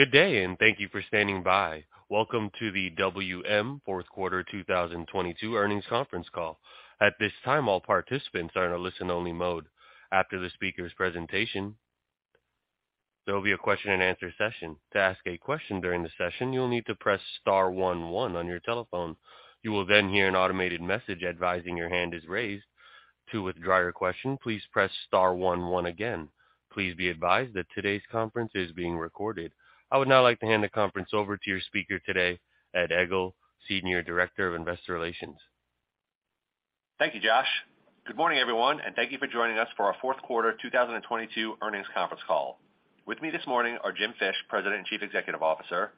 Good day. Thank you for standing by. Welcome to the WM Q4 2022 earnings conference call. At this time, all participants are in a listen only mode. After the speaker's presentation, there will be a question-and-answer session. To ask a question during the session, you will need to press star one one on your telephone. You will hear an automated message advising your hand is raised. To withdraw your question, please press star one one again. Please be advised that today's conference is being recorded. I would now like to hand the conference over to your speaker today, Ed Egl, Senior Director of Investor Relations. Thank you, Josh. Good morning, everyone, thank you for joining us for our Q4 2022 earnings conference call. With me this morning are Jim Fish, President and Chief Executive Officer,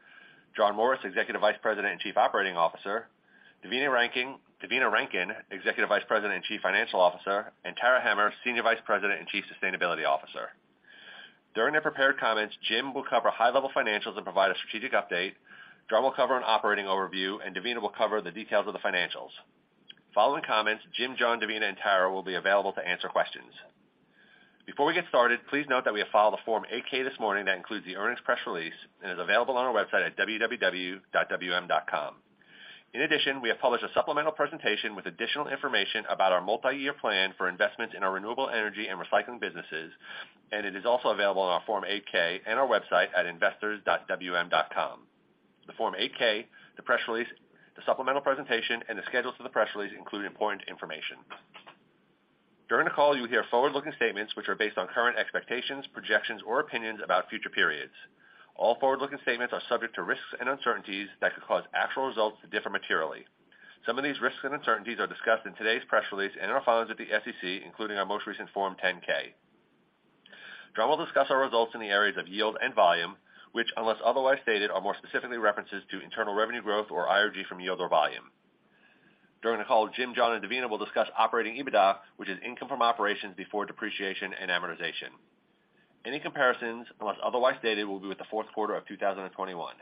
John Morris, Executive Vice President and Chief Operating Officer, Devina Rankin, Executive Vice President and Chief Financial Officer, and Tara Hemmer, Senior Vice President and Chief Sustainability Officer. During their prepared comments, Jim will cover high-level financials and provide a strategic update. John will cover an operating overview, Devina will cover the details of the financials. Following comments, Jim, John, Devina, and Tara will be available to answer questions. Before we get started, please note that we have filed a Form 8-K this morning that includes the earnings press release and is available on our website at www.wm.com. In addition, we have published a supplemental presentation with additional information about our multi-year plan for investments in our renewable energy and recycling businesses, and it is also available on our Form 8-K and our website at investors.wm.com. The Form 8-K, the press release, the supplemental presentation, and the schedules to the press release include important information. During the call, you'll hear forward-looking statements which are based on current expectations, projections, or opinions about future periods. All forward-looking statements are subject to risks and uncertainties that could cause actual results to differ materially. Some of these risks and uncertainties are discussed in today's press release and in our filings at the SEC, including our most recent Form 10-K. John will discuss our results in the areas of yield and volume, which, unless otherwise stated, are more specifically references to internal revenue growth or IRG from yield or volume. During the call, Jim Fish, John Morris, and Devina Rankin will discuss Operating EBITDA, which is income from operations before depreciation and amortization. Any comparisons, unless otherwise stated, will be with the Q4 of 2021.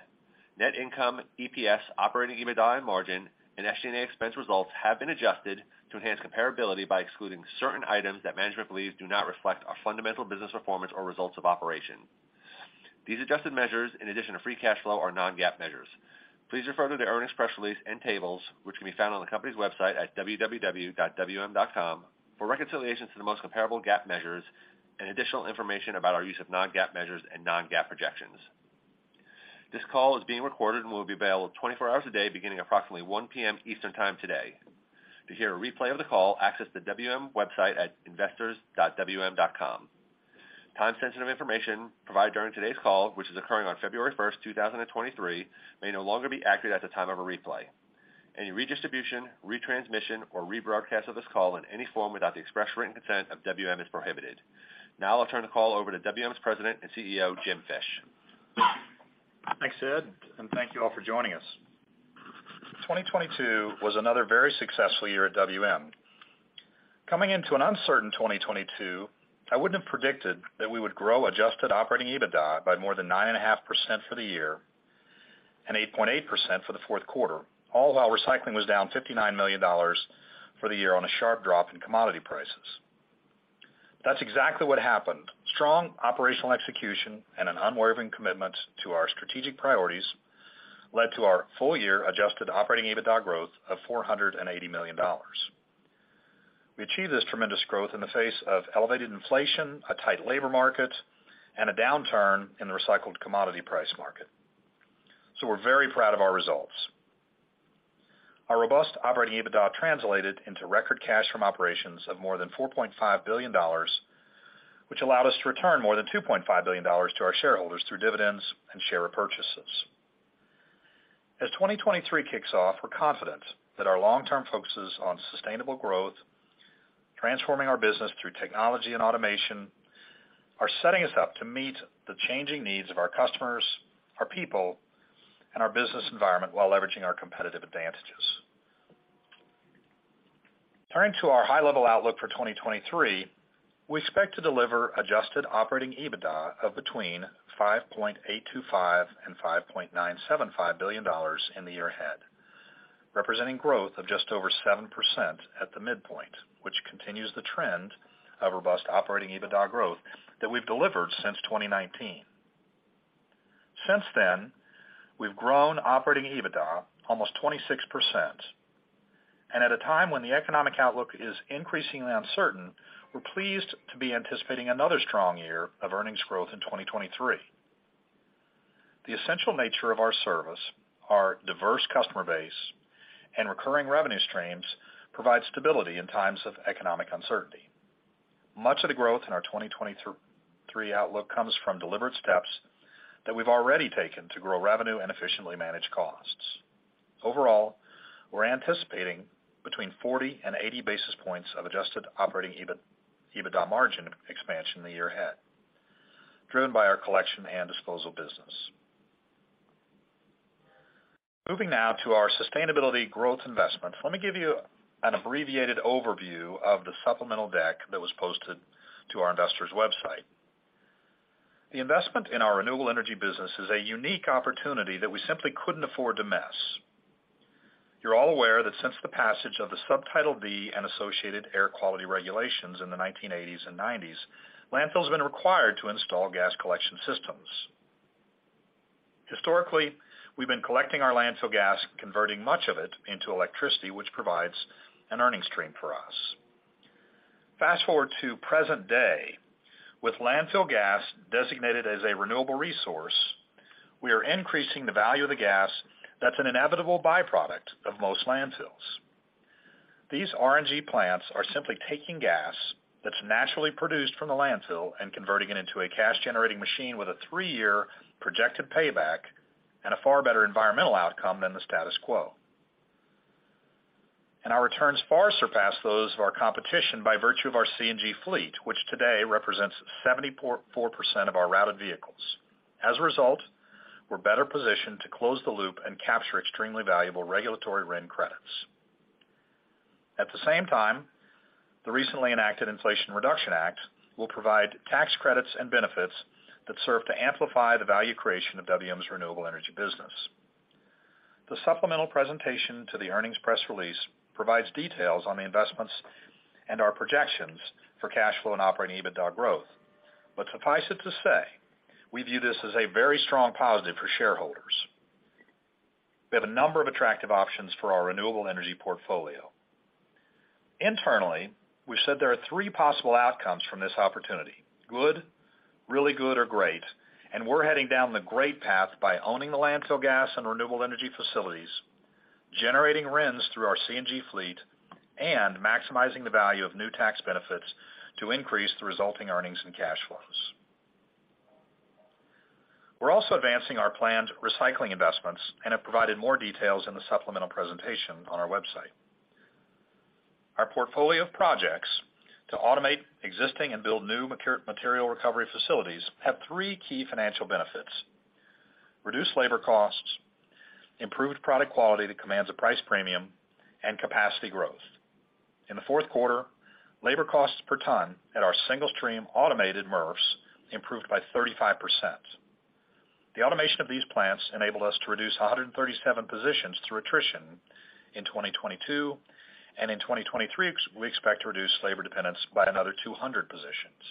Net income, EPS, Operating EBITDA margin, and SG&A expense results have been adjusted to enhance comparability by excluding certain items that management believes do not reflect our fundamental business performance or results of operation. These adjusted measures, in addition to free cash flow, are non-GAAP measures. Please refer to the earnings press release and tables, which can be found on the company's website at www.wm.com, for reconciliations to the most comparable GAAP measures and additional information about our use of non-GAAP measures and non-GAAP projections. This call is being recorded and will be available 24hrs a day beginning approximately 1:00 P.M. Eastern Time today. To hear a replay of the call, access the WM website at investors.wm.com. Time-sensitive information provided during today's call, which is occurring on February first, 2023, may no longer be accurate at the time of a replay. Any redistribution, retransmission, or rebroadcast of this call in any form without the express written consent of WM is prohibited. Now I'll turn the call over to WM's President and CEO, Jim Fish. Thanks, Ed, and thank you all for joining us. 2022 was another very successful year at WM. Coming into an uncertain 2022, I wouldn't have predicted that we would grow adjusted operating EBITDA by more than 9.5% for the year and 8.8% for the Q4, all while recycling was down $59 million for the year on a sharp drop in commodity prices. That's exactly what happened. Strong operational execution and an unwavering commitment to our strategic priorities led to our full year adjusted operating EBITDA growth of $480 million. We achieved this tremendous growth in the face of elevated inflation, a tight labor market, and a downturn in the recycled commodity price market. We're very proud of our results. Our robust Operating EBITDA translated into record cash from operations of more than $4.5 billion, which allowed us to return more than $2.5 billion to our shareholders through dividends and share repurchases. As 2023 kicks off, we're confident that our long-term focuses on sustainable growth, transforming our business through technology and automation are setting us up to meet the changing needs of our customers, our people, and our business environment while leveraging our competitive advantages. Turning to our high-level outlook for 2023, we expect to deliver adjusted Operating EBITDA of between $5.825 billion-$5.975 billion in the year ahead, representing growth of just over 7% at the midpoint, which continues the trend of robust Operating EBITDA growth that we've delivered since 2019. Since then, we've grown Operating EBITDA almost 26%. At a time when the economic outlook is increasingly uncertain, we're pleased to be anticipating another strong year of earnings growth in 2023. The essential nature of our service, our diverse customer base, and recurring revenue streams provide stability in times of economic uncertainty. Much of the growth in our 2023 outlook comes from deliberate steps that we've already taken to grow revenue and efficiently manage costs. Overall, we're anticipating between 40 basis pointsand 80 basis points of adjusted Operating EBITDA margin expansion in the year ahead, driven by our collection and disposal business. Moving now to our sustainability growth investment. Let me give you an abbreviated overview of the supplemental deck that was posted to our investors website. The investment in our renewable energy business is a unique opportunity that we simply couldn't afford to miss. You're all aware that since the passage of the Subtitle D and associated air quality regulations in the 1980s and 1990s, landfill has been required to install gas collection systems. Historically, we've been collecting our landfill gas, converting much of it into electricity, which provides an earning stream for us. Fast-forward to present day. With landfill gas designated as a renewable resource, we are increasing the value of the gas that's an inevitable byproduct of most landfills. These RNG plants are simply taking gas that's naturally produced from the landfill and converting it into a cash-generating machine with a three-year projected payback and a far better environmental outcome than the status quo. Our returns far surpass those of our competition by virtue of our CNG fleet, which today represents 74% of our routed vehicles. As a result, we're better positioned to close the loop and capture extremely valuable regulatory RIN credits. At the same time, the recently enacted Inflation Reduction Act will provide tax credits and benefits that serve to amplify the value creation of WM's renewable energy business. The supplemental presentation to the earnings press release provides details on the investments and our projections for cash flow and Operating EBITDA growth. Suffice it to say, we view this as a very strong positive for shareholders. We have a number of attractive options for our renewable energy portfolio. Internally, we've said there are three possible outcomes from this opportunity: good, really good, or great, and we're heading down the great path by owning the landfill gas and renewable energy facilities, generating RINs through our CNG fleet, and maximizing the value of new tax benefits to increase the resulting earnings and cash flows. We're also advancing our planned recycling investments and have provided more details in the supplemental presentation on our website. Our portfolio of projects to automate existing and build new material recovery facilities have three key financial benefits: reduced labor costs, improved product quality that commands a price premium, and capacity growth. In the Q4, labor costs per ton at our single-stream automated MRFs improved by 35%. The automation of these plants enabled us to reduce 137 positions through attrition in 2022, and in 2023, we expect to reduce labor dependence by another 200 positions.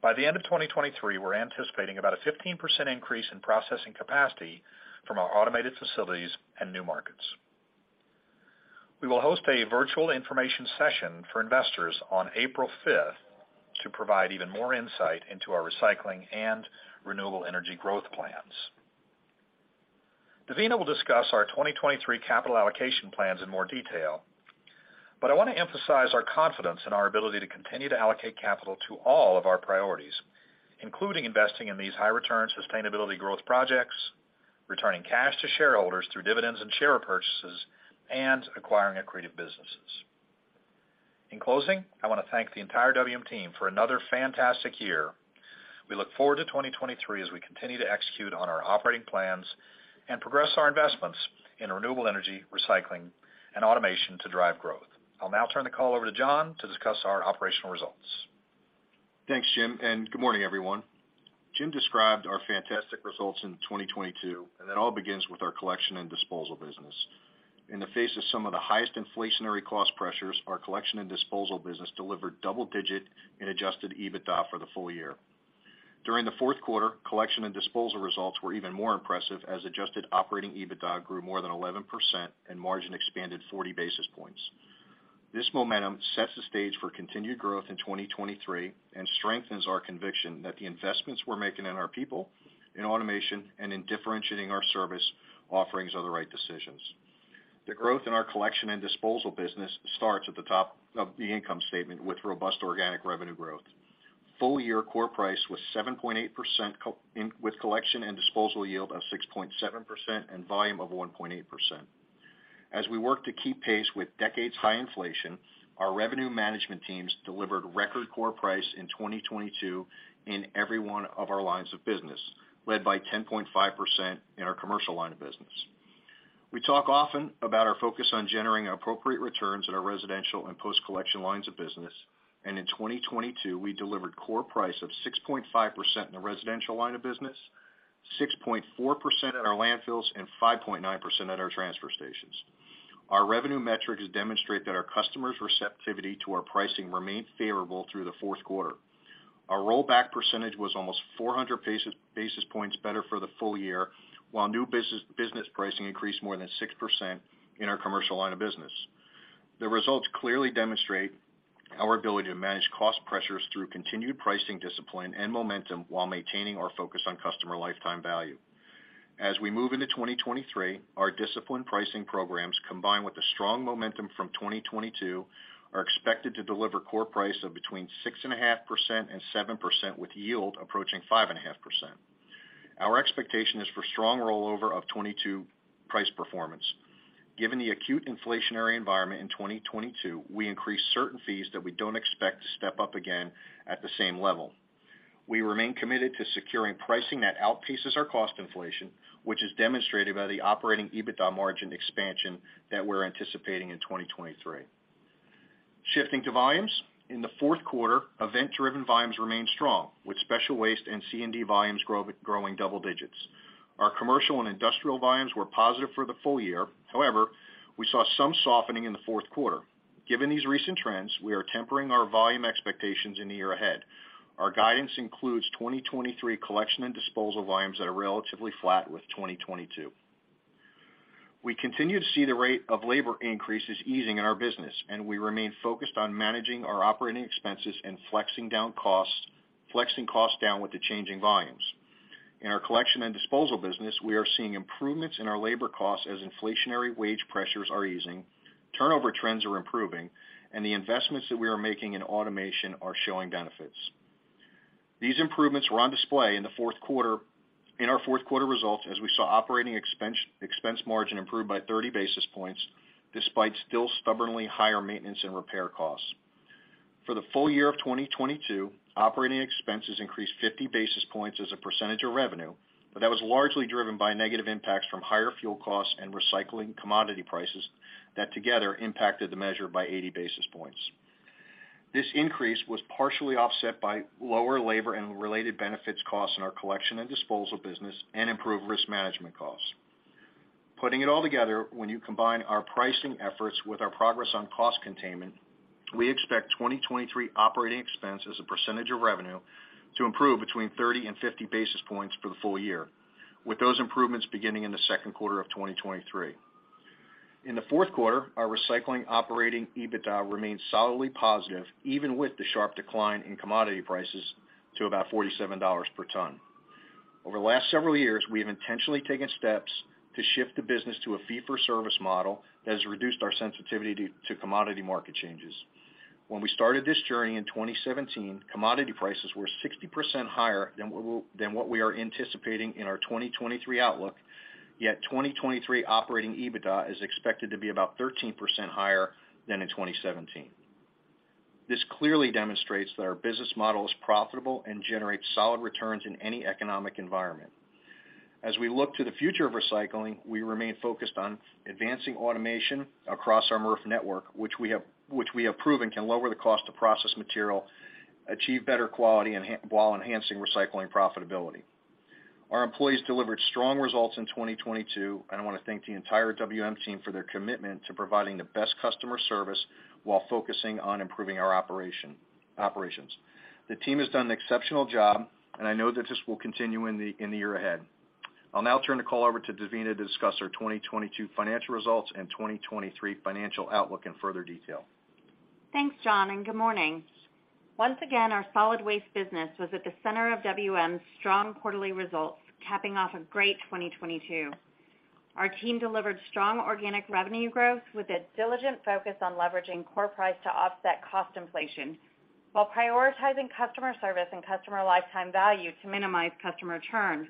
By the end of 2023, we're anticipating about a 15% increase in processing capacity from our automated facilities and new markets. We will host a virtual information session for investors on April 5th to provide even more insight into our recycling and renewable energy growth plans. Devina will discuss our 2023 capital allocation plans in more detail, but I want to emphasize our confidence in our ability to continue to allocate capital to all of our priorities, including investing in these high-return sustainability growth projects, returning cash to shareholders through dividends and share purchases, and acquiring accretive businesses. In closing, I want to thank the entire WM team for another fantastic year. We look forward to 2023 as we continue to execute on our operating plans and progress our investments in renewable energy, recycling, and automation to drive growth. I'll now turn the call over to John to discuss our operational results. Thanks, Jim. Good morning, everyone. Jim described our fantastic results in 2022. That all begins with our collection and disposal business. In the face of some of the highest inflationary cost pressures, our collection and disposal business delivered double-digit in adjusted EBITDA for the full year. During the Q4, collection and disposal results were even more impressive as adjusted Operating EBITDA grew more than 11% and margin expanded 40 basis points. This momentum sets the stage for continued growth in 2023 and strengthens our conviction that the investments we're making in our people, in automation, and in differentiating our service offerings are the right decisions. The growth in our collection and disposal business starts at the top of the income statement with robust organic revenue growth. Full-year core price was 7.8% with collection and disposal yield of 6.7% and volume of 1.8%. As we work to keep pace with decades-high inflation, our revenue management teams delivered record core price in 2022 in every one of our lines of business, led by 10.5% in our commercial line of business. We talk often about our focus on generating appropriate returns in our residential and post-collection lines of business. In 2022, we delivered core price of 6.5% in the residential line of business, 6.4% at our landfills, and 5.9% at our transfer stations. Our revenue metrics demonstrate that our customers' receptivity to our pricing remains favorable through the Q4. Our rollback percentage was almost 400 basis points better for the full year, while new business pricing increased more than 6% in our commercial line of business. The results clearly demonstrate our ability to manage cost pressures through continued pricing discipline and momentum while maintaining our focus on customer lifetime value. As we move into 2023, our disciplined pricing programs, combined with the strong momentum from 2022, are expected to deliver core price of between 6.5% and 7%, with yield approaching 5.5%. Our expectation is for strong rollover of 22 price performance. Given the acute inflationary environment in 2022, we increased certain fees that we don't expect to step up again at the same level. We remain committed to securing pricing that outpaces our cost inflation, which is demonstrated by the Operating EBITDA margin expansion that we're anticipating in 2023. Shifting to volumes. In the Q4, event-driven volumes remained strong, with special waste and C&D volumes growing double digits. Our commercial and industrial volumes were positive for the full year. However, we saw some softening in the Q4. Given these recent trends, we are tempering our volume expectations in the year ahead. Our guidance includes 2023 collection and disposal volumes that are relatively flat with 2022. We continue to see the rate of labor increases easing in our business, and we remain focused on managing our operating expenses and flexing down costs, flexing costs down with the changing volumes. In our collection and disposal business, we are seeing improvements in our labor costs as inflationary wage pressures are easing, turnover trends are improving, and the investments that we are making in automation are showing benefits. These improvements were on display in the Q4, in our Q4 results as we saw operating expense margin improve by 30 basis points, despite still stubbornly higher maintenance and repair costs. For the full year of 2022, operating expenses increased 50 basis points as a percentage of revenue, but that was largely driven by negative impacts from higher fuel costs and recycling commodity prices that together impacted the measure by 80 basis points. This increase was partially offset by lower labor and related benefits costs in our collection and disposal business and improved risk management costs. Putting it all together, when you combine our pricing efforts with our progress on cost containment, we expect 2023 operating expense as a percentage of revenue to improve between 30 basis points and 50 basis points for the full year, with those improvements beginning in the second quarter of 2023. In the Q4, our recycling Operating EBITDA remained solidly positive, even with the sharp decline in commodity prices to about $47 per ton. Over the last several years, we have intentionally taken steps to shift the business to a fee-for-service model that has reduced our sensitivity to commodity market changes. When we started this journey in 2017, commodity prices were 60% higher than what we are anticipating in our 2023 outlook, yet 2023 Operating EBITDA is expected to be about 13% higher than in 2017. This clearly demonstrates that our business model is profitable and generates solid returns in any economic environment. As we look to the future of recycling, we remain focused on advancing automation across our MRF network, which we have proven can lower the cost to process material, achieve better quality while enhancing recycling profitability. Our employees delivered strong results in 2022. I want to thank the entire WM team for their commitment to providing the best customer service while focusing on improving our operations. The team has done an exceptional job. I know that this will continue in the year ahead. I'll now turn the call over to Devina to discuss our 2022 financial results and 2023 financial outlook in further detail. Thanks, John. Good morning. Once again, our solid waste business was at the center of WM's strong quarterly results, capping off a great 2022. Our team delivered strong organic revenue growth with a diligent focus on leveraging core price to offset cost inflation while prioritizing customer service and customer lifetime value to minimize customer churn,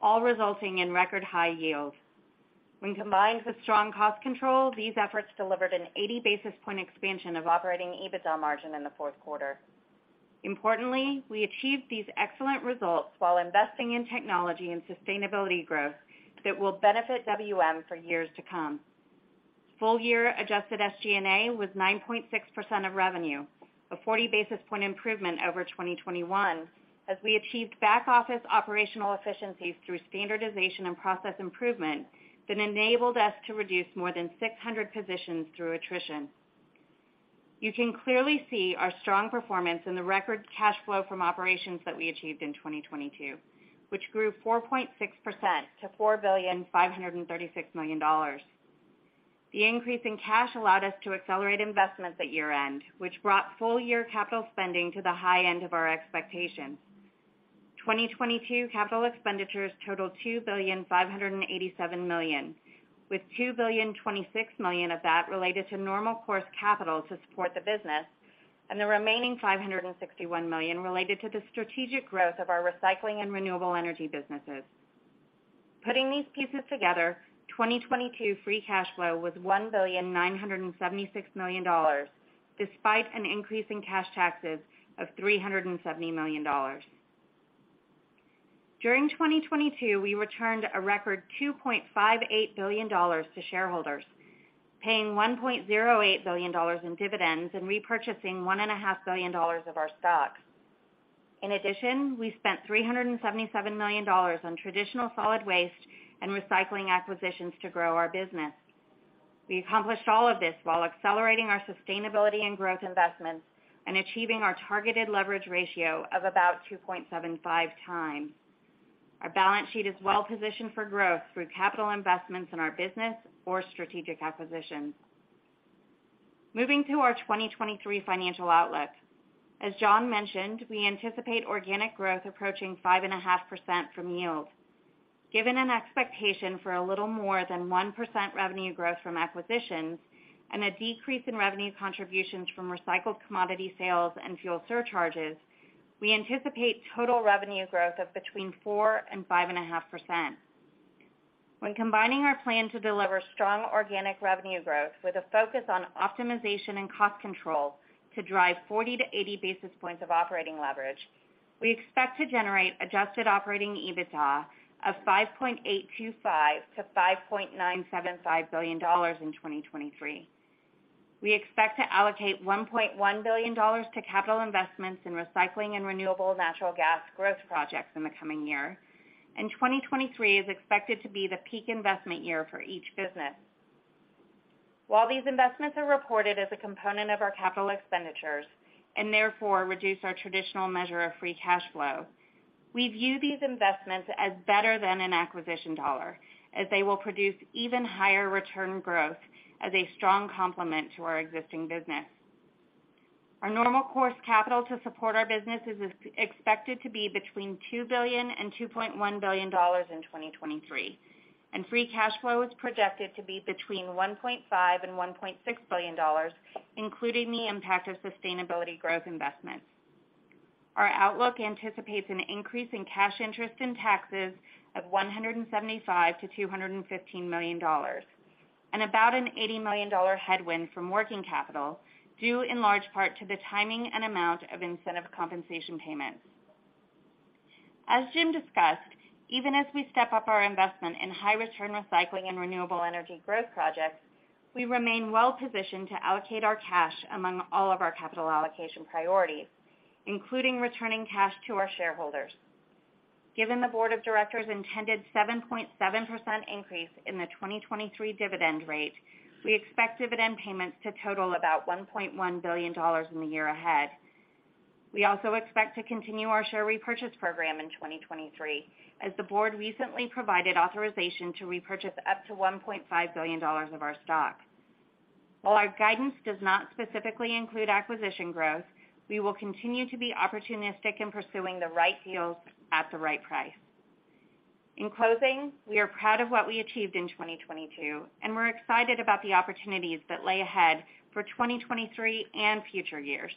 all resulting in record high yield. When combined with strong cost control, these efforts delivered an 80 basis point expansion of Operating EBITDA margin in the Q4. Importantly, we achieved these excellent results while investing in technology and sustainability growth that will benefit WM for years to come. Full year adjusted SG&A was 9.6% of revenue, a 40 basis point improvement over 2021, as we achieved back-office operational efficiencies through standardization and process improvement that enabled us to reduce more than 600 positions through attrition. You can clearly see our strong performance in the record cash flow from operations that we achieved in 2022, which grew 4.6% to $4.536 billion. The increase in cash allowed us to accelerate investments at year-end, which brought full-year capital spending to the high end of our expectations. 2022 capital expenditures totaled $2.587 billion, with $2.026 billion of that related to normal course capital to support the business and the remaining $561 million related to the strategic growth of our recycling and renewable energy businesses. Putting these pieces together, 2022 free cash flow was $1.976 billion, despite an increase in cash taxes of $370 million. During 2022, we returned a record $2.58 billion to shareholders, paying $1.08 billion in dividends and repurchasing $1.5 billion Of our stocks. In addition, we spent $377 million on traditional solid waste and recycling acquisitions to grow our business. We accomplished all of this while accelerating our sustainability and growth investments and achieving our targeted leverage ratio of about 2.75x. Our balance sheet is well positioned for growth through capital investments in our business or strategic acquisitions. Moving to our 2023 financial outlook. As John mentioned, we anticipate organic growth approaching 5.5% from yield. Given an expectation for a little more than 1% revenue growth from acquisitions and a decrease in revenue contributions from recycled commodity sales and fuel surcharges, we anticipate total revenue growth of between 4% and 5.5%. When combining our plan to deliver strong organic revenue growth with a focus on optimization and cost control to drive 40 basis points-80 basis points of operating leverage. We expect to generate adjusted Operating EBITDA of $5.825 billion-$5.975 billion in 2023. We expect to allocate $1.1 billion to capital investments in recycling and renewable natural gas growth projects in the coming year, and 2023 is expected to be the peak investment year for each business. While these investments are reported as a component of our capital expenditures and therefore reduce our traditional measure of free cash flow, we view these investments as better than an acquisition dollar as they will produce even higher return growth as a strong complement to our existing business. Our normal course capital to support our businesses is expected to be between $2 billion and $2.1 billion in 2023, and free cash flow is projected to be between $1.5 billion and $1.6 billion, including the impact of sustainability growth investments. Our outlook anticipates an increase in cash interest in taxes of $175 million-$215 million and about an $80 million headwind from working capital, due in large part to the timing and amount of incentive compensation payments. As Jim discussed, even as we step up our investment in high return recycling and renewable energy growth projects, we remain well positioned to allocate our cash among all of our capital allocation priorities, including returning cash to our shareholders. Given the board of directors intended 7.7% increase in the 2023 dividend rate, we expect dividend payments to total about $1.1 billion in the year ahead. We also expect to continue our share repurchase program in 2023, as the board recently provided authorization to repurchase up to $1.5 billion of our stock. While our guidance does not specifically include acquisition growth, we will continue to be opportunistic in pursuing the right deals at the right price. In closing, we are proud of what we achieved in 2022. We're excited about the opportunities that lay ahead for 2023 and future years.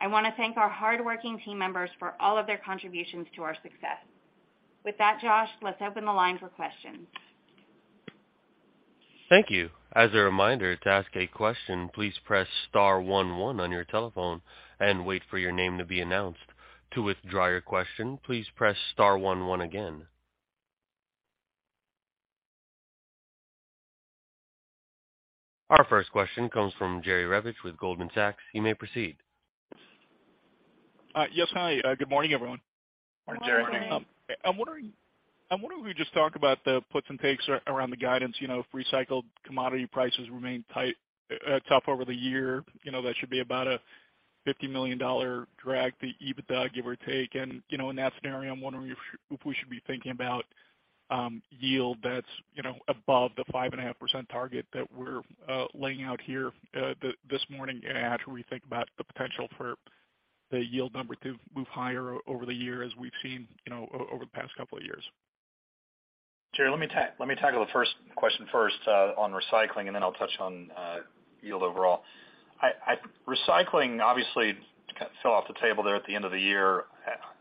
I want to thank our hardworking team members for all of their contributions to our success. With that, Josh, let's open the line for questions. Thank you. As a reminder to ask a question, please press star one one on your telephone and wait for your name to be announced. To withdraw your question, please press star one one again. Our first question comes from Jerry Revich with Goldman Sachs. You may proceed. Yes. Hi. Good morning, everyone. Good morning, Jerry. Morning, Jerry. I'm wondering if you could just talk about the puts and takes around the guidance, you know, if recycled commodity prices remain tight, tough over the year. You know, that should be about a $50 million drag to EBITDA, give or take. You know, in that scenario, I'm wondering if we should be thinking about yield that's, you know, above the 5.5% target that we're laying out here this morning as we think about the potential for the yield number to move higher over the year as we've seen, you know, over the past couple of years. Jerry, let me tackle the first question first on recycling, and then I'll touch on yield overall. Recycling obviously fell off the table there at the end of the year.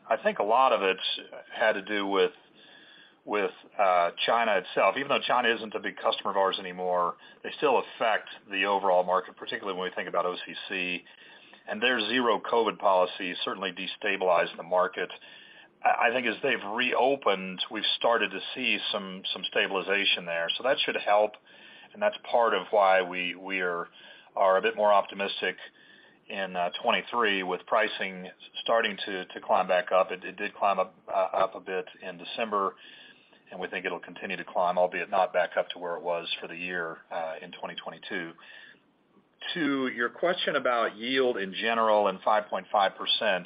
I think a lot of it had to do with China itself. Even though China isn't a big customer of ours anymore, they still affect the overall market, particularly when we think about OCC. Their zero COVID policy certainly destabilized the market. I think as they've reopened, we've started to see some stabilization there. That should help, and that's part of why we are a bit more optimistic in 2023 with pricing starting to climb back up. It did climb up a bit in December, and we think it'll continue to climb, albeit not back up to where it was for the year in 2022. To your question about yield in general and 5.5%,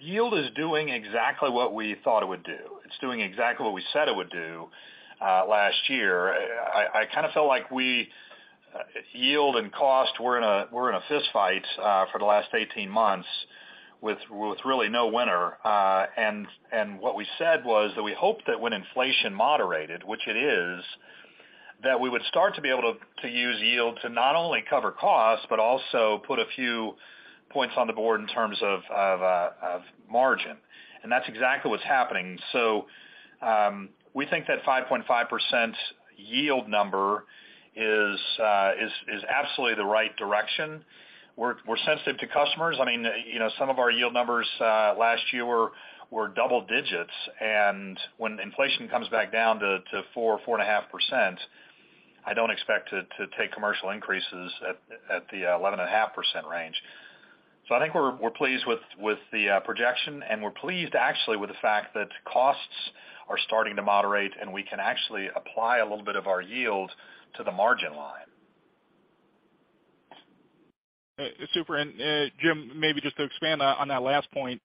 yield is doing exactly what we thought it would do. It's doing exactly what we said it would do last year. I kind of felt like we, yield and cost were in a fist fight for the last 18 months with really no winner. What we said was that we hoped that when inflation moderated, which it is, that we would start to be able to use yield to not only cover costs, but also put a few points on the board in terms of margin. That's exactly what's happening. We think that 5.5% yield number is absolutely the right direction. We're sensitive to customers. I mean, you know, some of our yield numbers last year were double digits. When inflation comes back down to 4.5%, I don't expect to take commercial increases at the 11.5% range. I think we're pleased with the projection, and we're pleased actually with the fact that costs are starting to moderate, and we can actually apply a little bit of our yield to the margin line. Super. Jim, maybe just to expand on that last point,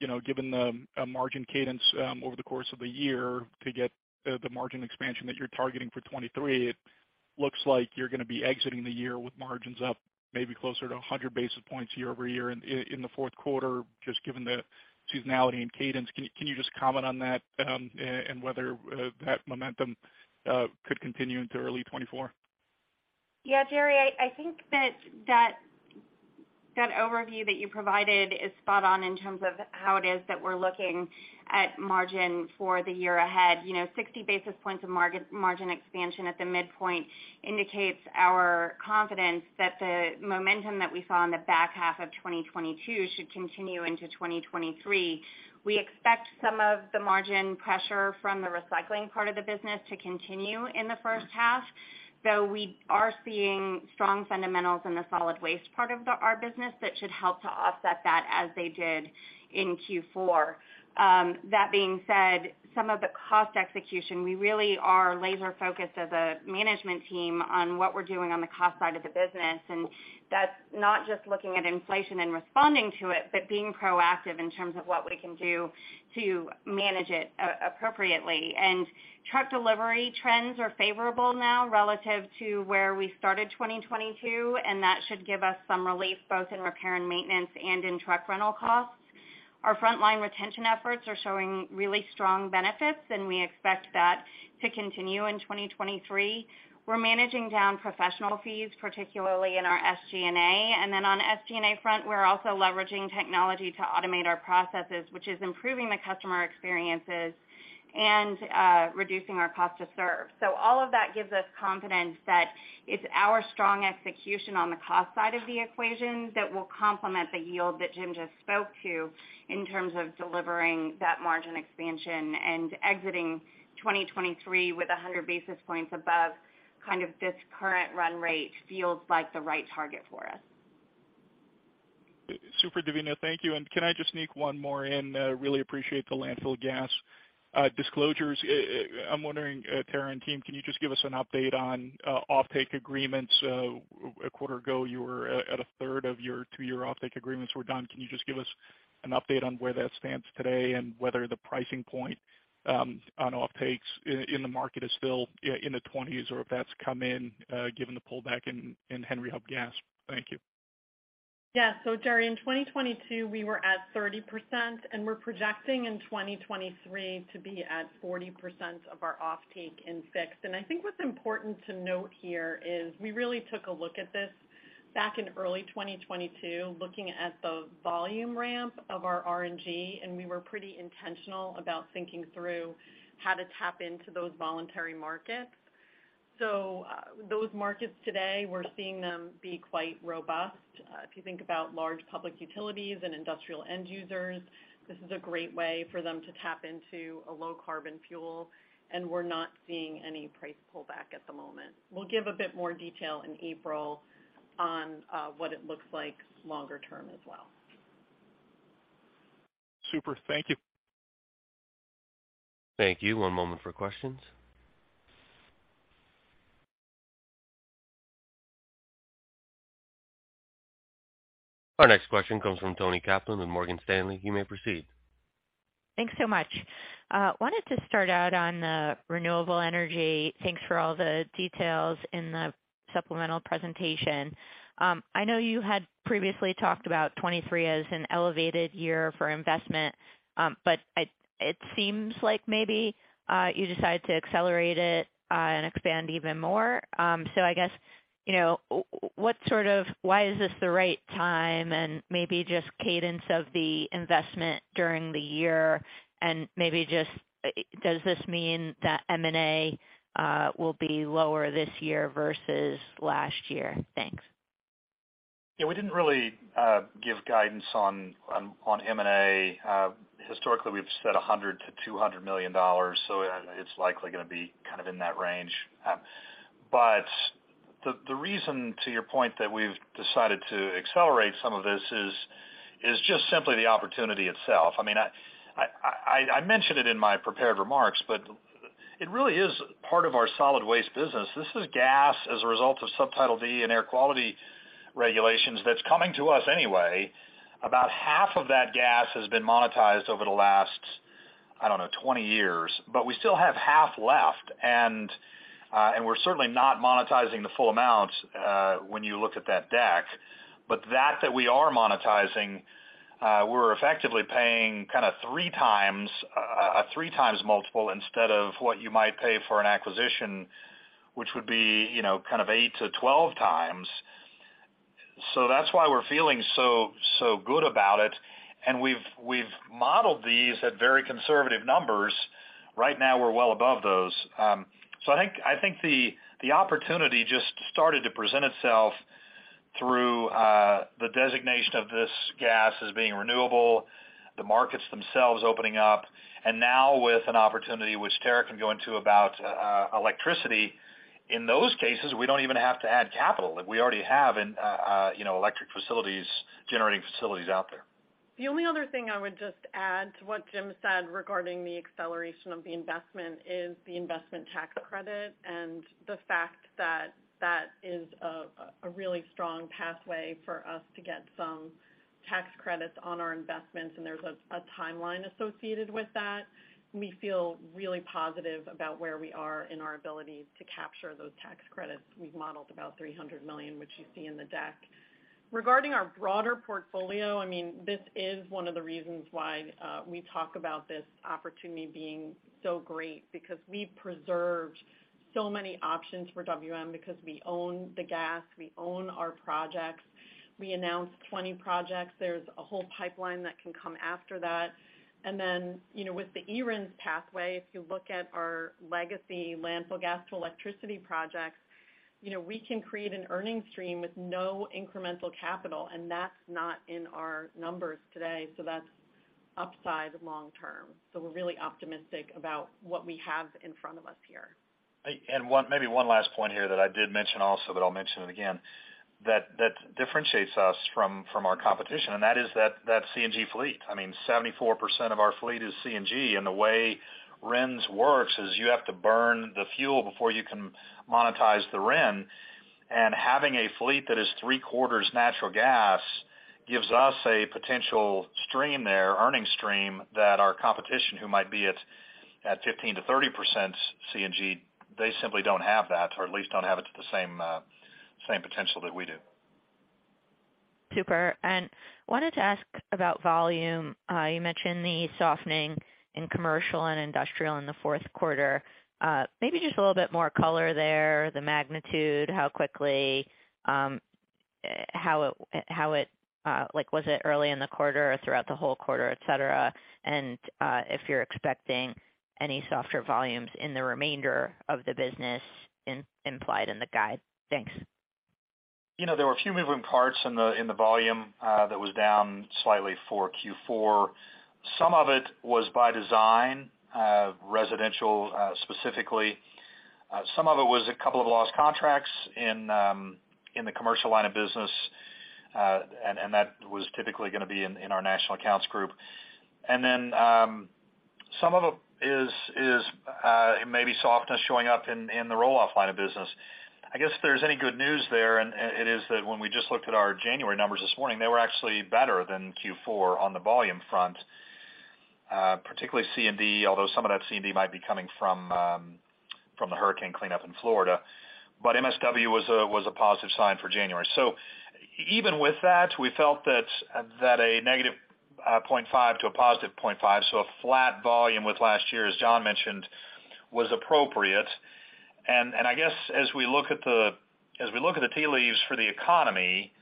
you know, given the margin cadence over the course of the year to get the margin expansion that you're targeting for 2023, it looks like you're gonna be exiting the year with margins up maybe closer to 100 basis points year-over-year in the Q4, just given the seasonality and cadence. Can you just comment on that and whether that momentum could continue into early 2024? Yeah, Jerry, I think that overview that you provided is spot on in terms of how it is that we're looking at margin for the year ahead. You know, 60 basis points of margin expansion at the midpoint indicates our confidence that the momentum that we saw in the back half of 2022 should continue into 2023. We expect some of the margin pressure from the recycling part of the business to continue in the H1, though we are seeing strong fundamentals in the solid waste part of our business that should help to offset that as they did in Q4. That being said, some of the cost execution, we really are laser-focused as a management team on what we're doing on the cost side of the business, and that's not just looking at inflation and responding to it, but being proactive in terms of what we can do to manage it appropriately. Truck delivery trends are favorable now relative to where we started 2022, and that should give us some relief both in repair and maintenance and in truck rental costs. Our frontline retention efforts are showing really strong benefits, and we expect that to continue in 2023. We're managing down professional fees, particularly in our SG&A. On SG&A front, we're also leveraging technology to automate our processes, which is improving the customer experiences and reducing our cost to serve. All of that gives us confidence that it's our strong execution on the cost side of the equation that will complement the yield that Jim just spoke to in terms of delivering that margin expansion and exiting 2023 with 100 basis points above kind of this current run rate feels like the right target for us. Super, Devina. Thank you. Can I just sneak one more in? really appreciate the landfill gas disclosures. I'm wondering, Tara and team, can you just give us an update on offtake agreements? A quarter ago, you were at a third of your two-year offtake agreements were done. Can you just give us an update on where that stands today and whether the pricing point on offtakes in the market is still in the 20s or if that's come in given the pullback in Henry Hub gas? Thank you. Yeah. Jerry, in 2022, we were at 30%, we're projecting in 2023 to be at 40% of our offtake in fixed. I think what's important to note here is we really took a look at this back in early 2022, looking at the volume ramp of our RNG, and we were pretty intentional about thinking through how to tap into those voluntary markets. Those markets today, we're seeing them be quite robust. If you think about large public utilities and industrial end users, this is a great way for them to tap into a low carbon fuel, and we're not seeing any price pullback at the moment. We'll give a bit more detail in April on what it looks like longer term as well. Super. Thank you. Thank you. One moment for questions. Our next question comes from Toni Kaplan with Morgan Stanley. You may proceed. Thanks so much. Wanted to start out on the renewable energy. Thanks for all the details in the supplemental presentation. I know you had previously talked about 2023 as an elevated year for investment, but it seems like maybe you decided to accelerate it and expand even more. I guess, you know, why is this the right time and maybe just cadence of the investment during the year, and maybe just does this mean that M&A will be lower this year versus last year? Thanks. We didn't really give guidance on M&A. Historically, we've set $100 million-$200 million, it's likely gonna be kind of in that range. The reason, to your point, that we've decided to accelerate some of this is just simply the opportunity itself. I mean, I mentioned it in my prepared remarks, it really is part of our solid waste business. This is gas as a result of Subtitle D and air quality regulations that's coming to us anyway. About 1/2 of that gas has been monetized over the last, I don't know, 20 years, we still have 1/2 left. We're certainly not monetizing the full amount when you look at that deck, but that we are monetizing, we're effectively paying kind of 3x, a 3x multiple instead of what you might pay for an acquisition, which would be, you know, kind of 8x-12x. That's why we're feeling so good about it. We've modeled these at very conservative numbers. Right now, we're well above those. I think the opportunity just started to present itself through the designation of this gas as being renewable, the markets themselves opening up, and now with an opportunity which Tara can go into about electricity. In those cases, we don't even have to add capital. Like, we already have in, you know, electric facilities, generating facilities out there. The only other thing I would just add to what Jim said regarding the acceleration of the investment is the Investment Tax Credit and the fact that is a really strong pathway for us to get some tax credits on our investments. There's a timeline associated with that. We feel really positive about where we are in our ability to capture those tax credits. We've modeled about $300 million, which you see in the deck. Regarding our broader portfolio, I mean, this is one of the reasons why we talk about this opportunity being so great because we preserved so many options for WM because we own the gas, we own our projects. We announced 20 projects. There's a whole pipeline that can come after that. Then, you know, with the eRINs pathway, if you look at our legacy landfill gas to electricity projects, you know, we can create an earning stream with no incremental capital, and that's not in our numbers today. That's upside long term. We're really optimistic about what we have in front of us here. Maybe one last point here that I did mention also, but I'll mention it again, that differentiates us from our competition, and that is that CNG fleet. I mean, 74% of our fleet is CNG. The way RINs works is you have to burn the fuel before you can monetize the RIN. Having a fleet that is 3/4 natural gas gives us a potential stream there, earning stream that our competition who might be at 15%-30% CNG, they simply don't have that, or at least don't have it to the same potential that we do. Super. wanted to ask about volume. You mentioned the softening in commercial and industrial in the Q4. Maybe just a little bit more color there, the magnitude, how quickly, how it, like was it early in the quarter or throughout the whole quarter, et cetera, if you're expecting any softer volumes in the remainder of the business implied in the guide? Thanks. You know, there were a few moving parts in the volume that was down slightly for Q4. Some of it was by design, residential, specifically. Some of it was a couple of lost contracts in the commercial line of business, and that was typically gonna be in our national accounts group. Some of it is maybe softness showing up in the roll-off line of business. I guess if there's any good news there and it is that when we just looked at our January numbers this morning, they were actually better than Q4 on the volume front, particularly C&D, although some of that C&D might be coming from the hurricane cleanup in Florida. MSW was a positive sign for January. Even with that, we felt that a -0.5 to a +0.5, so a flat volume with last year, as John mentioned, was appropriate. I guess as we look at the tea leaves for the economy,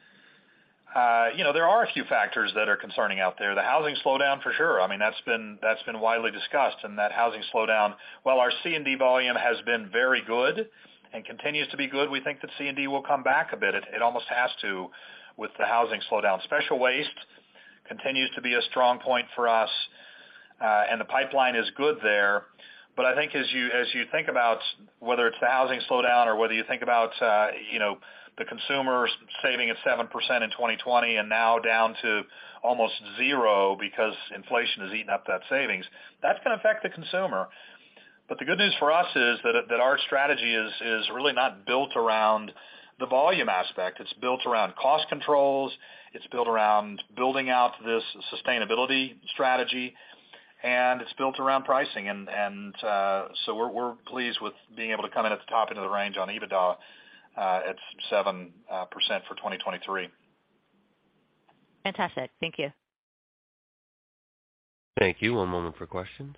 you know, there are a few factors that are concerning out there. The housing slowdown for sure. I mean, that's been widely discussed. That housing slowdown, while our C&D volume has been very good and continues to be good, we think that C&D will come back a bit. It almost has to with the housing slowdown. Special waste continues to be a strong point for us, and the pipeline is good there. I think as you think about whether it's the housing slowdown or whether you think about, you know, the consumer saving at 7% in 2020 and now down to almost 0 because inflation has eaten up that savings, that's gonna affect the consumer. The good news for us is that our strategy is really not built around the volume aspect. It's built around cost controls. It's built around building out this sustainability strategy, and it's built around pricing. We're pleased with being able to come in at the top end of the range on EBITDA at 7% for 2023. Fantastic. Thank you. Thank you. One moment for questions.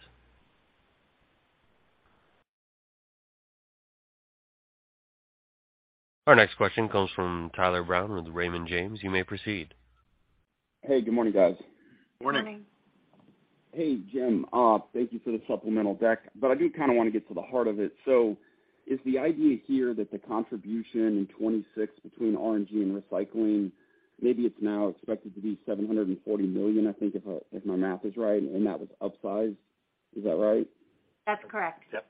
Our next question comes from Tyler Brown with Raymond James. You may proceed. Hey, good morning, guys. Morning. Morning. Hey, Jim, thank you for the supplemental deck, I do kinda wanna get to the heart of it. Is the idea here that the contribution in 2026 between RNG and recycling, maybe it's now expected to be $740 million, I think, if my math is right, and that was upsized. Is that right? That's correct. Yep.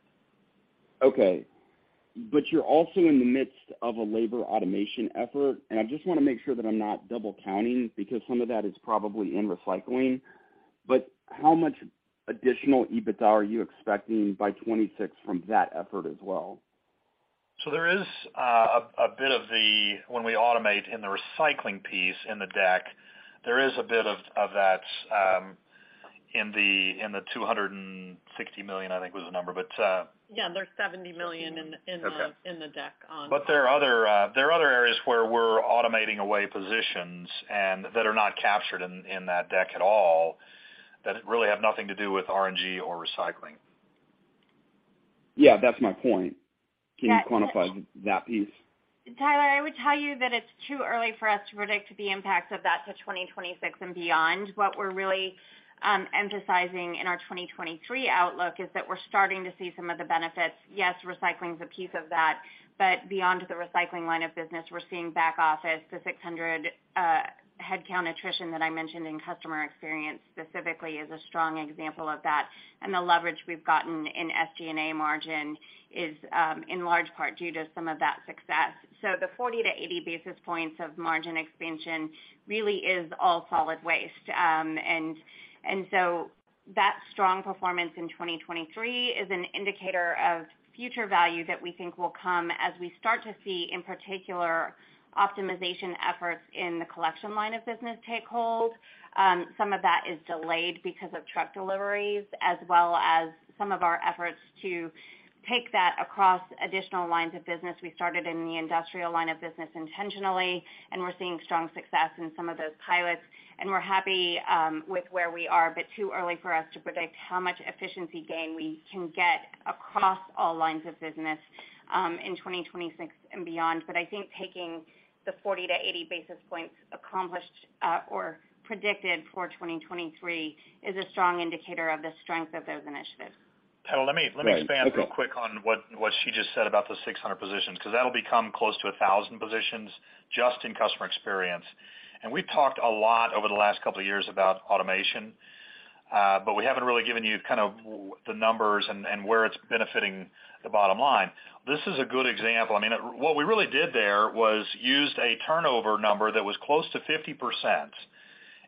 Okay. You're also in the midst of a labor automation effort, and I just wanna make sure that I'm not double counting because some of that is probably in recycling. How much additional EBITDA are you expecting by 2026 from that effort as well? There is a bit of when we automate in the recycling piece in the deck, there is a bit of that, in the $260 million, I think was the number. Yeah, there's $70 million in. Okay. In the deck. There are other areas where we're automating away positions and that are not captured in that deck at all that really have nothing to do with RNG or recycling. Yeah, that's my point. Can you quantify that piece? Tyler, I would tell you that it's too early for us to predict the impact of that to 2026 and beyond. What we're really emphasizing in our 2023 outlook is that we're starting to see some of the benefits. Yes, recycling is a piece of that, but beyond the recycling line of business, we're seeing back office, the 600 headcount attrition that I mentioned in customer experience specifically is a strong example of that. The leverage we've gotten in SG&A margin is in large part due to some of that success. The 40 basis points-80 basis points of margin expansion really is all solid waste. That strong performance in 2023 is an indicator of future value that we think will come as we start to see in particular optimization efforts in the collection line of business take hold. Some of that is delayed because of truck deliveries as well as some of our efforts to take that across additional lines of business. We started in the industrial line of business intentionally, we're seeing strong success in some of those pilots. We're happy with where we are, too early for us to predict how much efficiency gain we can get across all lines of business in 2026 and beyond. I think taking the 40 basis points-80 basis points accomplished or predicted for 2023 is a strong indicator of the strength of those initiatives. Tara, let me expand real quick on what she just said about the 600 positions, 'cause that'll become close to 1,000 positions just in customer experience. We've talked a lot over the last couple of years about automation, but we haven't really given you kind of the numbers and where it's benefiting the bottom line. This is a good example. I mean, what we really did there was used a turnover number that was close to 50%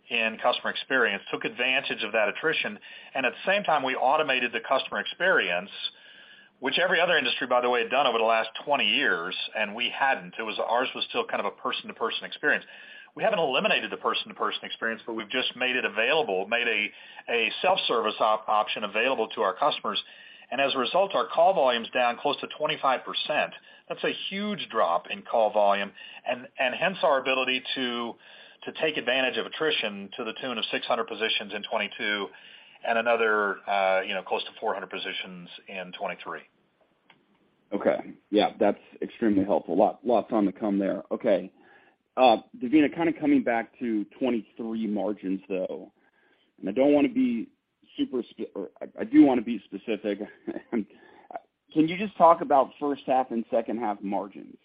in customer experience, took advantage of that attrition, and at the same time, we automated the customer experience, which every other industry, by the way, had done over the last 20 years, and we hadn't. It was ours was still kind of a person-to-person experience. We haven't eliminated the person-to-person experience, but we've just made it available, made a self-service option available to our customers. As a result, our call volume's down close to 25%. That's a huge drop in call volume and hence our ability to take advantage of attrition to the tune of 600 positions in 2022 and another, you know, close to 400 positions in 2023. Okay. Yeah, that's extremely helpful. lots on to come there. Okay. Devina, kind of coming back to 2023 margins, though. I don't wanna be super Or I do wanna be specific. Can you just talk about H1 and H2 margins?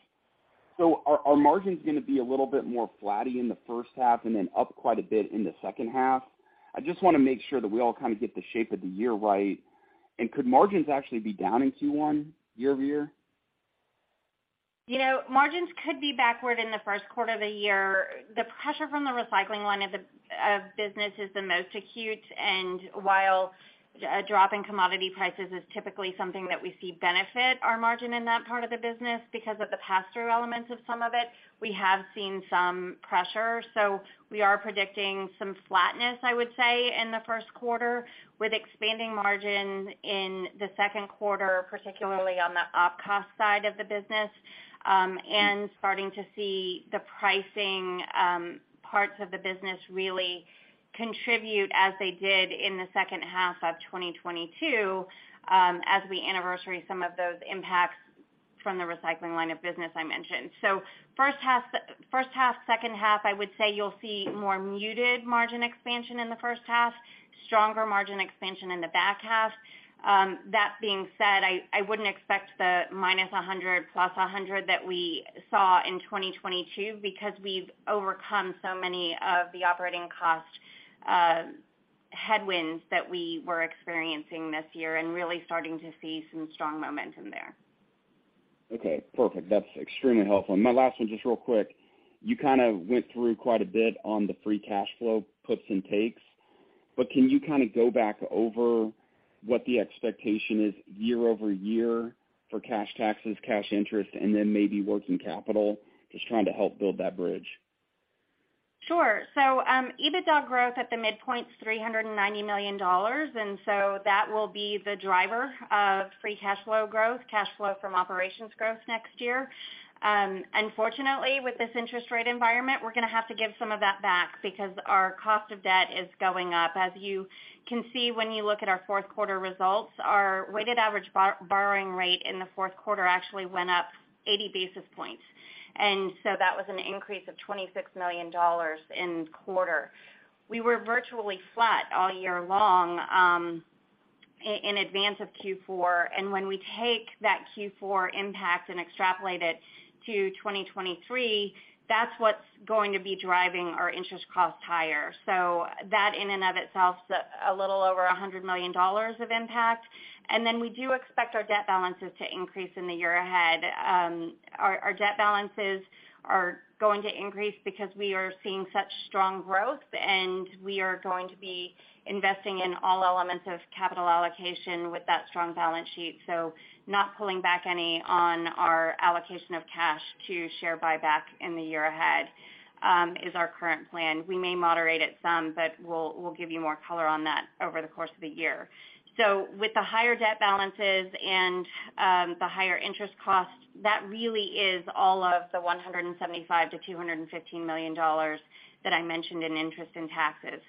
Are margins gonna be a little bit more flatty in the H1 and then up quite a bit in the H2? I just wanna make sure that we all kind of get the shape of the year right. Could margins actually be down in Q1 year-over-year? You know, margins could be backward in the Q1 of the year. The pressure from the recycling line of the business is the most acute. While a drop in commodity prices is typically something that we see benefit our margin in that part of the business because of the pass-through elements of some of it, we have seen some pressure. We are predicting some flatness, I would say, in the Q1, with expanding margin in the Q2, particularly on the op cost side of the business, and starting to see the pricing parts of the business really contribute as they did in the H2 of 2022, as we anniversary some of those impacts from the recycling line of business I mentioned. H1, H2, I would say you'll see more muted margin expansion in the H1, stronger margin expansion in the back half. That being said, I wouldn't expect the -100, +100 that we saw in 2022 because we've overcome so many of the operating cost headwinds that we were experiencing this year and really starting to see some strong momentum there. Okay, perfect. That's extremely helpful. My last one, just real quick. You kind of went through quite a bit on the free cash flow puts and takes, but can you kind of go back over what the expectation is year-over-year for cash taxes, cash interest, and then maybe working capital, just trying to help build that bridge? Sure. EBITDA growth at the midpoint's $390 million, and that will be the driver of free cash flow growth, cash flow from operations growth next year. Unfortunately, with this interest rate environment, we're gonna have to give some of that back because our cost of debt is going up. As you can see when you look at our Q4 results, our weighted average borrowing rate in the Q4 actually went up 80 basis points. That was an increase of $26 million in quarter. We were virtually flat all year long in advance of Q4. When we take that Q4 impact and extrapolate it to 2023, that's what's going to be driving our interest cost higher. That in and of itself is a little over $100 million of impact. We do expect our debt balances to increase in the year ahead. Our debt balances are going to increase because we are seeing such strong growth, and we are going to be investing in all elements of capital allocation with that strong balance sheet. Not pulling back any on our allocation of cash to share buyback in the year ahead is our current plan. We may moderate it some, but we'll give you more color on that over the course of the year. With the higher debt balances and the higher interest costs, that really is all of the $175 million-$215 million that I mentioned in interest and taxes.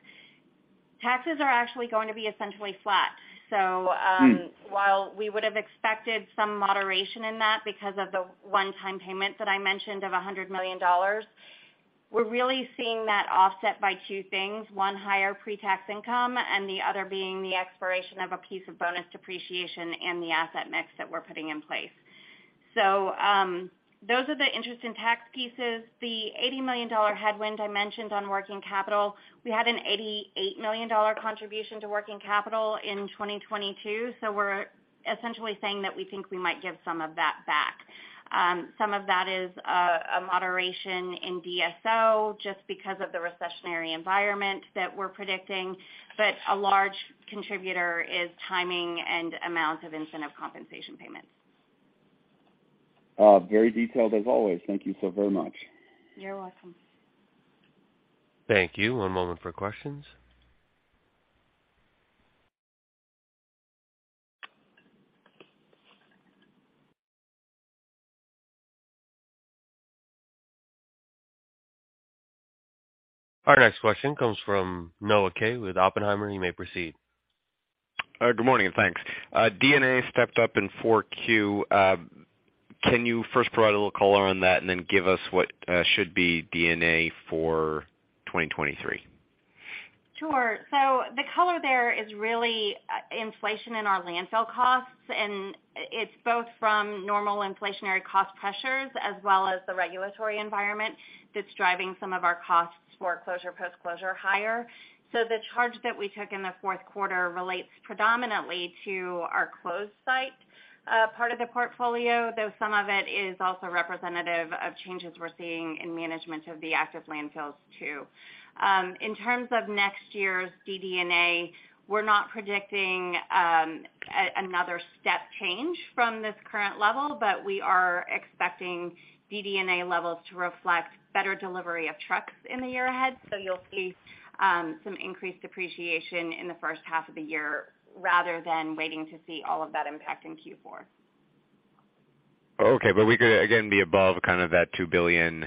Taxes are actually going to be essentially flat. So. Hmm. While we would have expected some moderation in that because of the one-time payment that I mentioned of $100 million, we're really seeing that offset by two things. One, higher pre-tax income, and the other being the expiration of a piece of bonus depreciation and the asset mix that we're putting in place. Those are the interest and tax pieces. The $80 million headwind I mentioned on working capital, we had an $88 million contribution to working capital in 2022, we're essentially saying that we think we might give some of that back. Some of that is a moderation in DSO just because of the recessionary environment that we're predicting. A large contributor is timing and amount of incentive compensation payments. Very detailed as always. Thank you so very much. You're welcome. Thank you. One moment for questions. Our next question comes from Noah Kaye with Oppenheimer. You may proceed. Good morning, and thanks. D&A stepped up in Q4. Can you first provide a little color on that and then give us what should be D&A for 2023? Sure. The color there is really inflation in our landfill costs, and it's both from normal inflationary cost pressures as well as the regulatory environment that's driving some of our costs for closure, post-closure higher. The charge that we took in the Q4 relates predominantly to our closed site, part of the portfolio, though some of it is also representative of changes we're seeing in management of the active landfills too. In terms of next year's DD&A, we're not predicting another step change from this current level, but we are expecting DD&A levels to reflect better delivery of trucks in the year ahead. You'll see some increased depreciation in the H1 of the year rather than waiting to see all of that impact in Q4. Okay. We could, again, be above kind of that $2 billion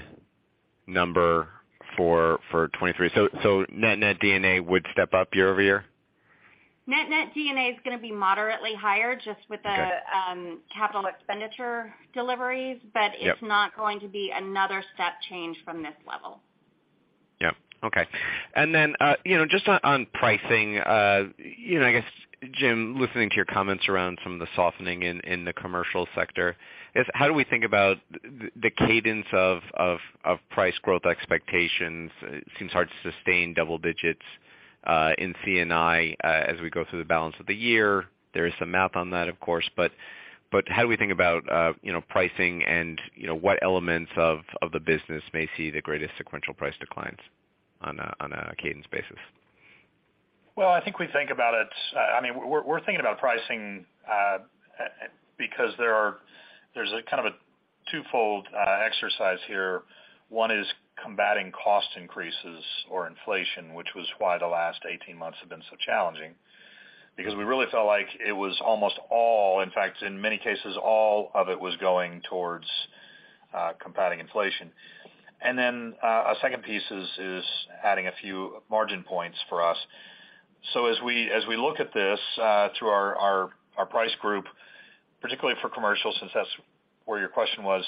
number for 2023. Net-net D&A would step up year-over-year? Net-net D&A is gonna be moderately higher just with. Okay. capital expenditure deliveries. Yep. It's not going to be another step change from this level. Yeah. Okay. You know, just on pricing, you know, I guess, Jim, listening to your comments around some of the softening in the commercial sector is how do we think about the cadence of price growth expectations? It seems hard to sustain double digits in C&I as we go through the balance of the year. There is some math on that, of course. How do we think about, you know, pricing and, you know, what elements of the business may see the greatest sequential price declines on a cadence basis? Well, I think we think about it. I mean, we're thinking about pricing because there's a kind of a twofold exercise here. One is combating cost increases or inflation, which was why the last 18 months have been so challenging. Because we really felt like it was almost all, in fact, in many cases, all of it was going towards combating inflation. A second piece is adding a few margin points for us. As we look at this through our price group, particularly for commercial, since that's where your question was,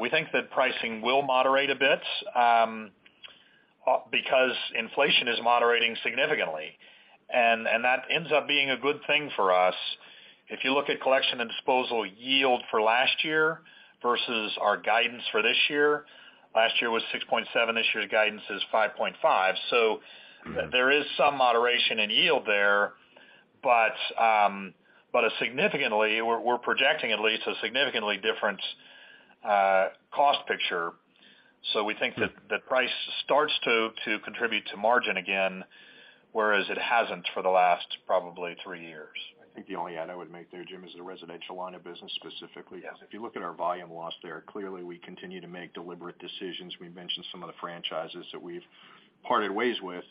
we think that pricing will moderate a bit because inflation is moderating significantly, and that ends up being a good thing for us. If you look at collection and disposal yield for last year versus our guidance for this year, last year was 6.7%, this year's guidance is 5.5%. Mm-hmm. There is some moderation in yield there, we're projecting at least a significantly different cost picture. We think that the price starts to contribute to margin again, whereas it hasn't for the last probably three years. I think the only add I would make there, Jim, is the residential line of business specifically. Yes. If you look at our volume loss there, clearly we continue to make deliberate decisions. We mentioned some of the franchises that we've parted ways with.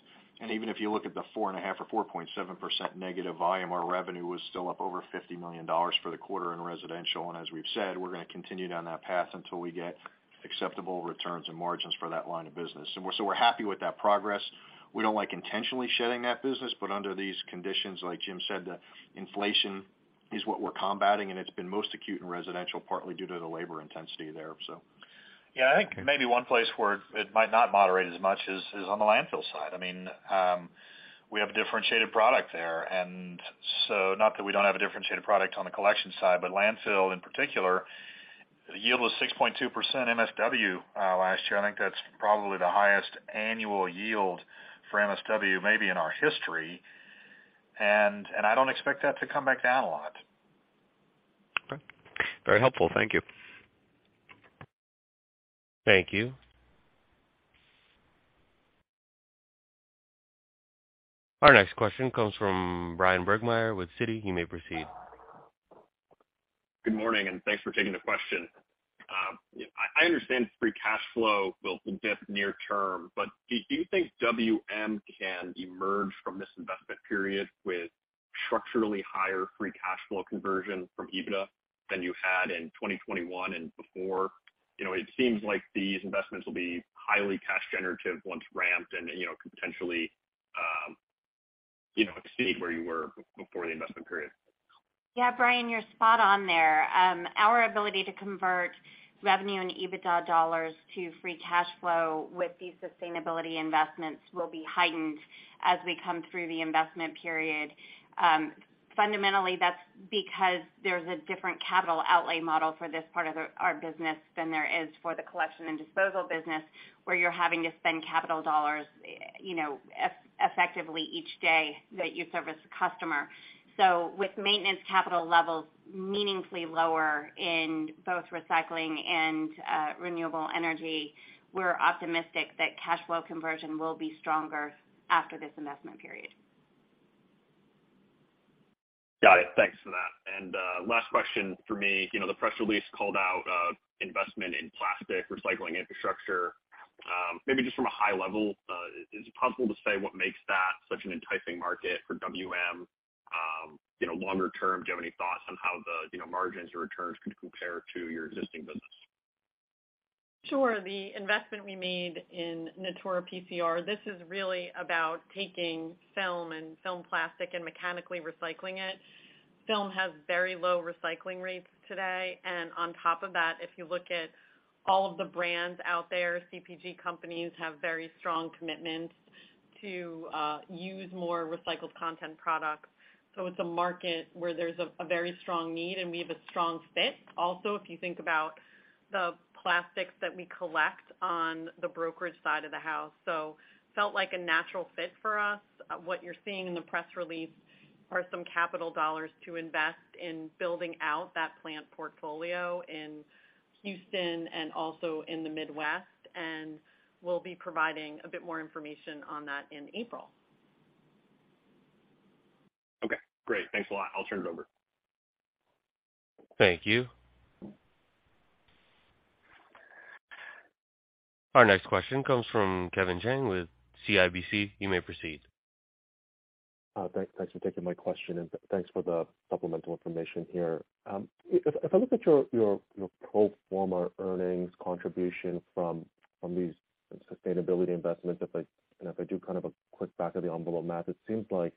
Even if you look at the 4.5 or 4.7% negative volume, our revenue was still up over $50 million for the quarter in residential. As we've said, we're gonna continue down that path until we get acceptable returns and margins for that line of business. We're happy with that progress. We don't like intentionally shedding that business, but under these conditions, like Jim said, the inflation is what we're combating, and it's been most acute in residential, partly due to the labor intensity there. Yeah. I think maybe one place where it might not moderate as much is on the landfill side. I mean, we have a differentiated product there. Not that we don't have a differentiated product on the collection side, but landfill in particular, the yield was 6.2% MSW last year. I think that's probably the highest annual yield for MSW maybe in our history, and I don't expect that to come back down a lot. Okay. Very helpful. Thank you. Thank you. Our next question comes from Bryan Burgmeier with Citi. You may proceed. Good morning, and thanks for taking the question. I understand free cash flow will dip near term, but do you think WM can emerge from this investment period with structurally higher free cash flow conversion from EBITDA than you had in 2021 and before? You know, it seems like these investments will be highly cash generative once ramped and, you know, could potentially, you know, exceed where you were before the investment period. Yeah, Bryan, you're spot on there. Our ability to convert revenue and EBITDA dollars to free cash flow with these sustainability investments will be heightened as we come through the investment period. Fundamentally, that's because there's a different capital outlay model for this part of our business than there is for the collection and disposal business, where you're having to spend capital dollars, you know, effectively each day that you service a customer. With maintenance capital levels meaningfully lower in both recycling and renewable energy, we're optimistic that cash flow conversion will be stronger after this investment period. Got it. Thanks for that. Last question for me. You know, the press release called out investment in plastic recycling infrastructure. Maybe just from a high level, is it possible to say what makes that such an enticing market for WM? You know, longer term, do you have any thoughts on how the, you know, margins or returns could compare to your existing business? Sure. The investment we made in Natura PCR, this is really about taking film and film plastic and mechanically recycling it. Film has very low recycling rates today. On top of that, if you look at all of the brands out there, CPG companies have very strong commitments to use more recycled content products. It's a market where there's a very strong need, and we have a strong fit. If you think about the plastics that we collect on the brokerage side of the house, so felt like a natural fit for us. What you're seeing in the press release are some capital dollars to invest in building out that plant portfolio in Houston and also in the Midwest. We'll be providing a bit more information on that in April. Okay, great. Thanks a lot. I'll turn it over. Thank you. Our next question comes from Kevin Chiang with CIBC. You may proceed. Thanks for taking my question, and thanks for the supplemental information here. If I look at your pro forma earnings contribution from these sustainability investments, and if I do kind of a quick back of the envelope math, it seems like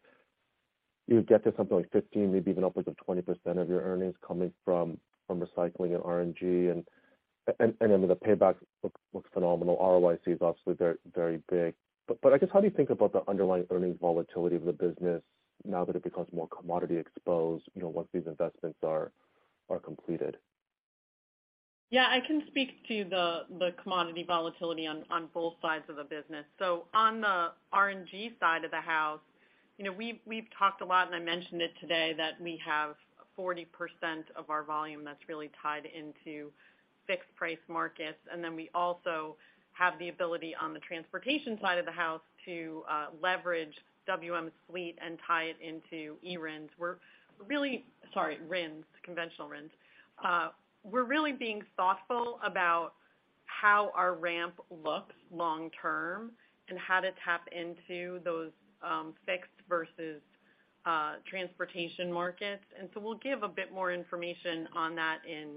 you get to something like 15, maybe even upwards of 20% of your earnings coming from recycling and RNG and then the payback looks phenomenal. ROIC is obviously very big. I guess, how do you think about the underlying earnings volatility of the business now that it becomes more commodity exposed, you know, once these investments are completed? I can speak to the commodity volatility on both sides of the business. On the RNG side of the house, you know, we've talked a lot, and I mentioned it today, that we have 40% of our volume that's really tied into fixed price markets. We also have the ability on the transportation side of the house to leverage WM's fleet and tie it into eRINs. Sorry, RINs, conventional RINs. We're really being thoughtful about how our ramp looks long term and how to tap into those fixed versus transportation markets. We'll give a bit more information on that in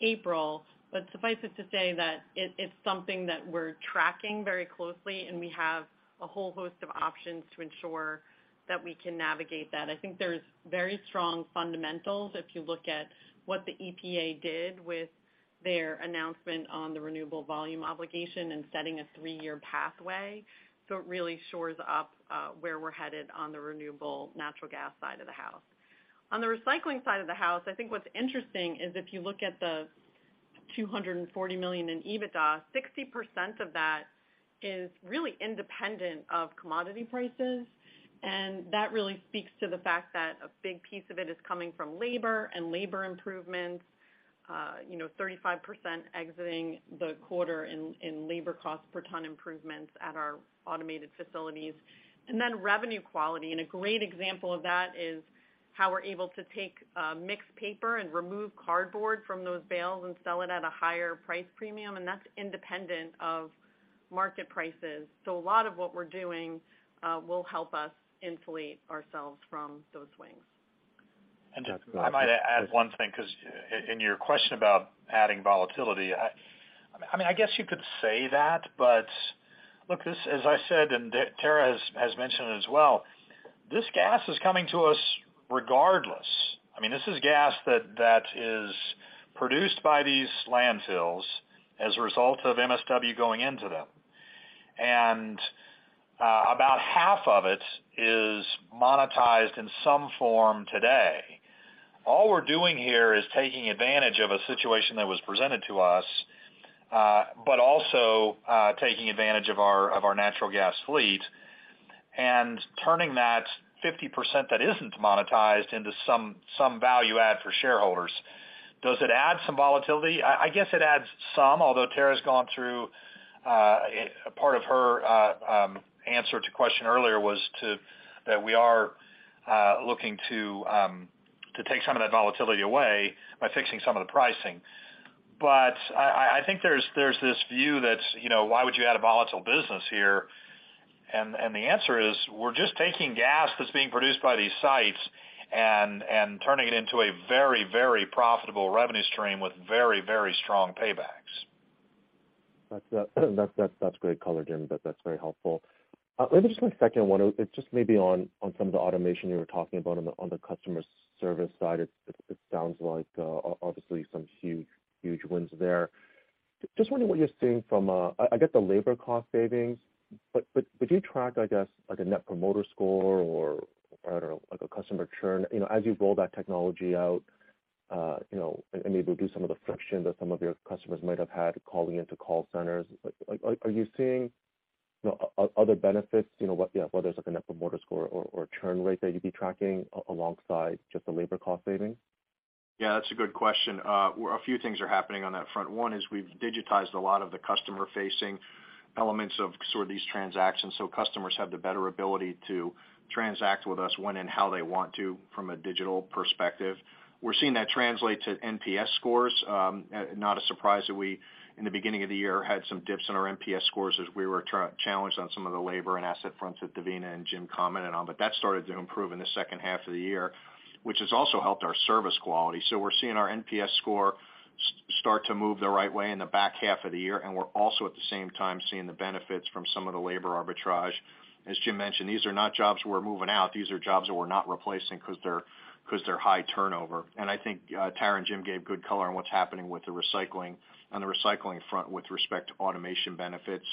April. Suffice it to say that it's something that we're tracking very closely, and we have a whole host of options to ensure that we can navigate that. I think there's very strong fundamentals if you look at what the EPA did with their announcement on the Renewable Volume Obligation and setting a three-year pathway. It really shores up where we're headed on the renewable natural gas side of the house. On the recycling side of the house, I think what's interesting is if you look at the $240 million in EBITDA, 60% of that is really independent of commodity prices. That really speaks to the fact that a big piece of it is coming from labor and labor improvements, you know, 35% exiting the quarter in labor cost per ton improvements at our automated facilities. Revenue quality, and a great example of that is how we're able to take mixed paper and remove cardboard from those bales and sell it at a higher price premium, and that's independent of market prices. A lot of what we're doing, will help us insulate ourselves from those swings. That's good. I might add one thing 'cause in your question about adding volatility, I mean, I guess you could say that, but look, this as I said, and Tara has mentioned as well, this gas is coming to us regardless. I mean, this is gas that is produced by these landfills as a result of MSW going into them. About 1/2 of it is monetized in some form today. All we're doing here is taking advantage of a situation that was presented to us, but also taking advantage of our natural gas fleet and turning that 50% that isn't monetized into some value add for shareholders. Does it add some volatility? I guess it adds some, although Tara has gone through a part of her answer to question earlier was that we are looking to take some of that volatility away by fixing some of the pricing. I think there's this view that's, you know, why would you add a volatile business here? The answer is we're just taking gas that's being produced by these sites and turning it into a very, very profitable revenue stream with very, very strong paybacks. That's great color, Jim. That's very helpful. Maybe just my second one, it's just maybe on some of the automation you were talking about on the customer service side. It sounds like obviously some huge wins there. Just wondering what you're seeing from, I get the labor cost savings, but do you track, I guess, like a net promoter score or, I don't know, like a customer churn, you know, as you roll that technology out, you know, and maybe reduce some of the friction that some of your customers might have had calling into call centers. Like, are you seeing, you know, other benefits, you know, what, yeah, whether it's like a net promoter score or churn rate that you'd be tracking alongside just the labor cost savings? That's a good question. A few things are happening on that front. One is we've digitized a lot of the customer-facing elements of sort of these transactions, so customers have the better ability to transact with us when and how they want to from a digital perspective. We're seeing that translate to NPS scores. Not a surprise that we, in the beginning of the year, had some dips in our NPS scores as we were challenged on some of the labor and asset fronts that Devina and Jim commented on. That started to improve in the H2 of the year, which has also helped our service quality. We're seeing our NPS scores start to move the right way in the back half of the year, and we're also at the same time seeing the benefits from some of the labor arbitrage. As Jim mentioned, these are not jobs we're moving out. These are jobs that we're not replacing 'cause they're high turnover. I think Tara and Jim gave good color on what's happening on the recycling front with respect to automation benefits.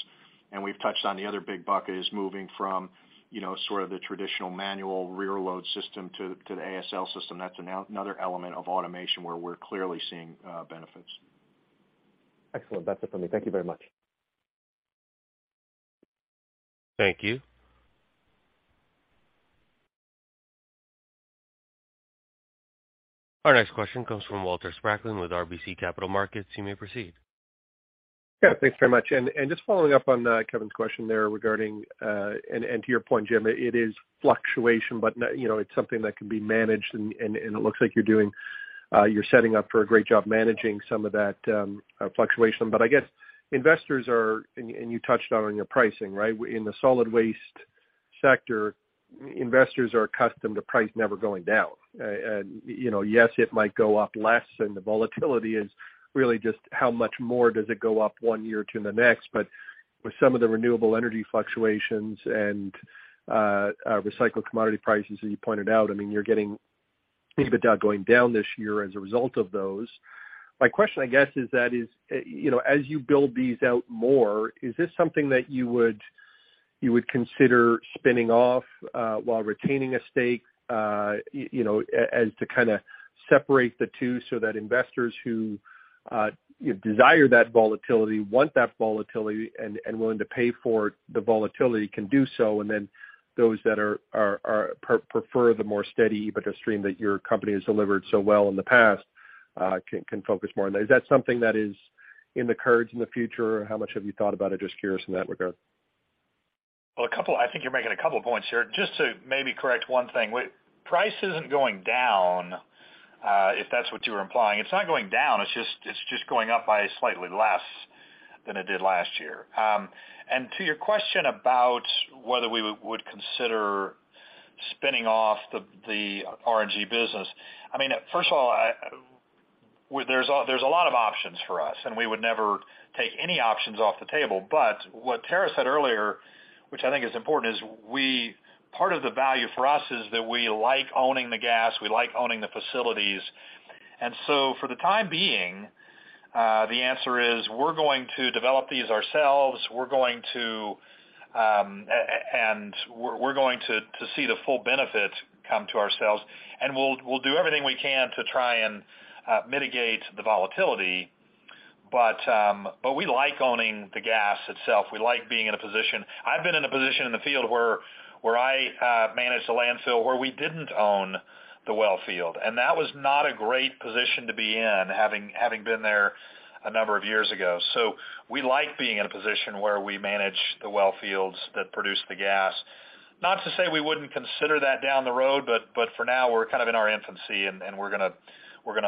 We've touched on the other big bucket is moving from, you know, sort of the traditional manual rear load system to the ASL system. That's another element of automation where we're clearly seeing benefits. Excellent. That's it for me. Thank you very much. Thank you. Our next question comes from Walter Spracklin with RBC Capital Markets. You may proceed. Yeah, thanks very much. Just following up on Kevin's question there regarding, and to your point, Jim, it is fluctuation, but you know, it's something that can be managed and it looks like you're setting up for a great job managing some of that fluctuation. I guess investors are. You touched on your pricing, right? In the solid waste sector, investors are accustomed to price never going down. You know, yes, it might go up less, and the volatility is really just how much more does it go up one year to the next. With some of the renewable energy fluctuations and recycled commodity prices, as you pointed out, I mean, you're getting EBITDA going down this year as a result of those. My question, I guess, is that is, you know, as you build these out more, is this something that you would consider spinning off, while retaining a stake, you know, as to kinda separate the two so that investors who desire that volatility, want that volatility and willing to pay for the volatility can do so, and then those that are, prefer the more steady EBITDA stream that your company has delivered so well in the past, can focus more on those? Is that something that is in the cards in the future? How much have you thought about it? Just curious in that regard. I think you're making a couple points here. Just to maybe correct one thing. Price isn't going down if that's what you were implying. It's not going down. It's just going up by slightly less than it did last year. To your question about whether we would consider spinning off the RNG business. I mean, first of all, there's a lot of options for us, we would never take any options off the table. What Tara said earlier, which I think is important, is part of the value for us is that we like owning the gas, we like owning the facilities. For the time being, the answer is we're going to develop these ourselves. We're going to and we're going to see the full benefit come to ourselves. We'll do everything we can to try and mitigate the volatility. We like owning the gas itself. We like being in a position. I've been in a position in the field where I managed a landfill where we didn't own the well field, and that was not a great position to be in, having been there a number of years ago. We like being in a position where we manage the well fields that produce the gas. Not to say we wouldn't consider that down the road, but for now, we're kind of in our infancy, and we're gonna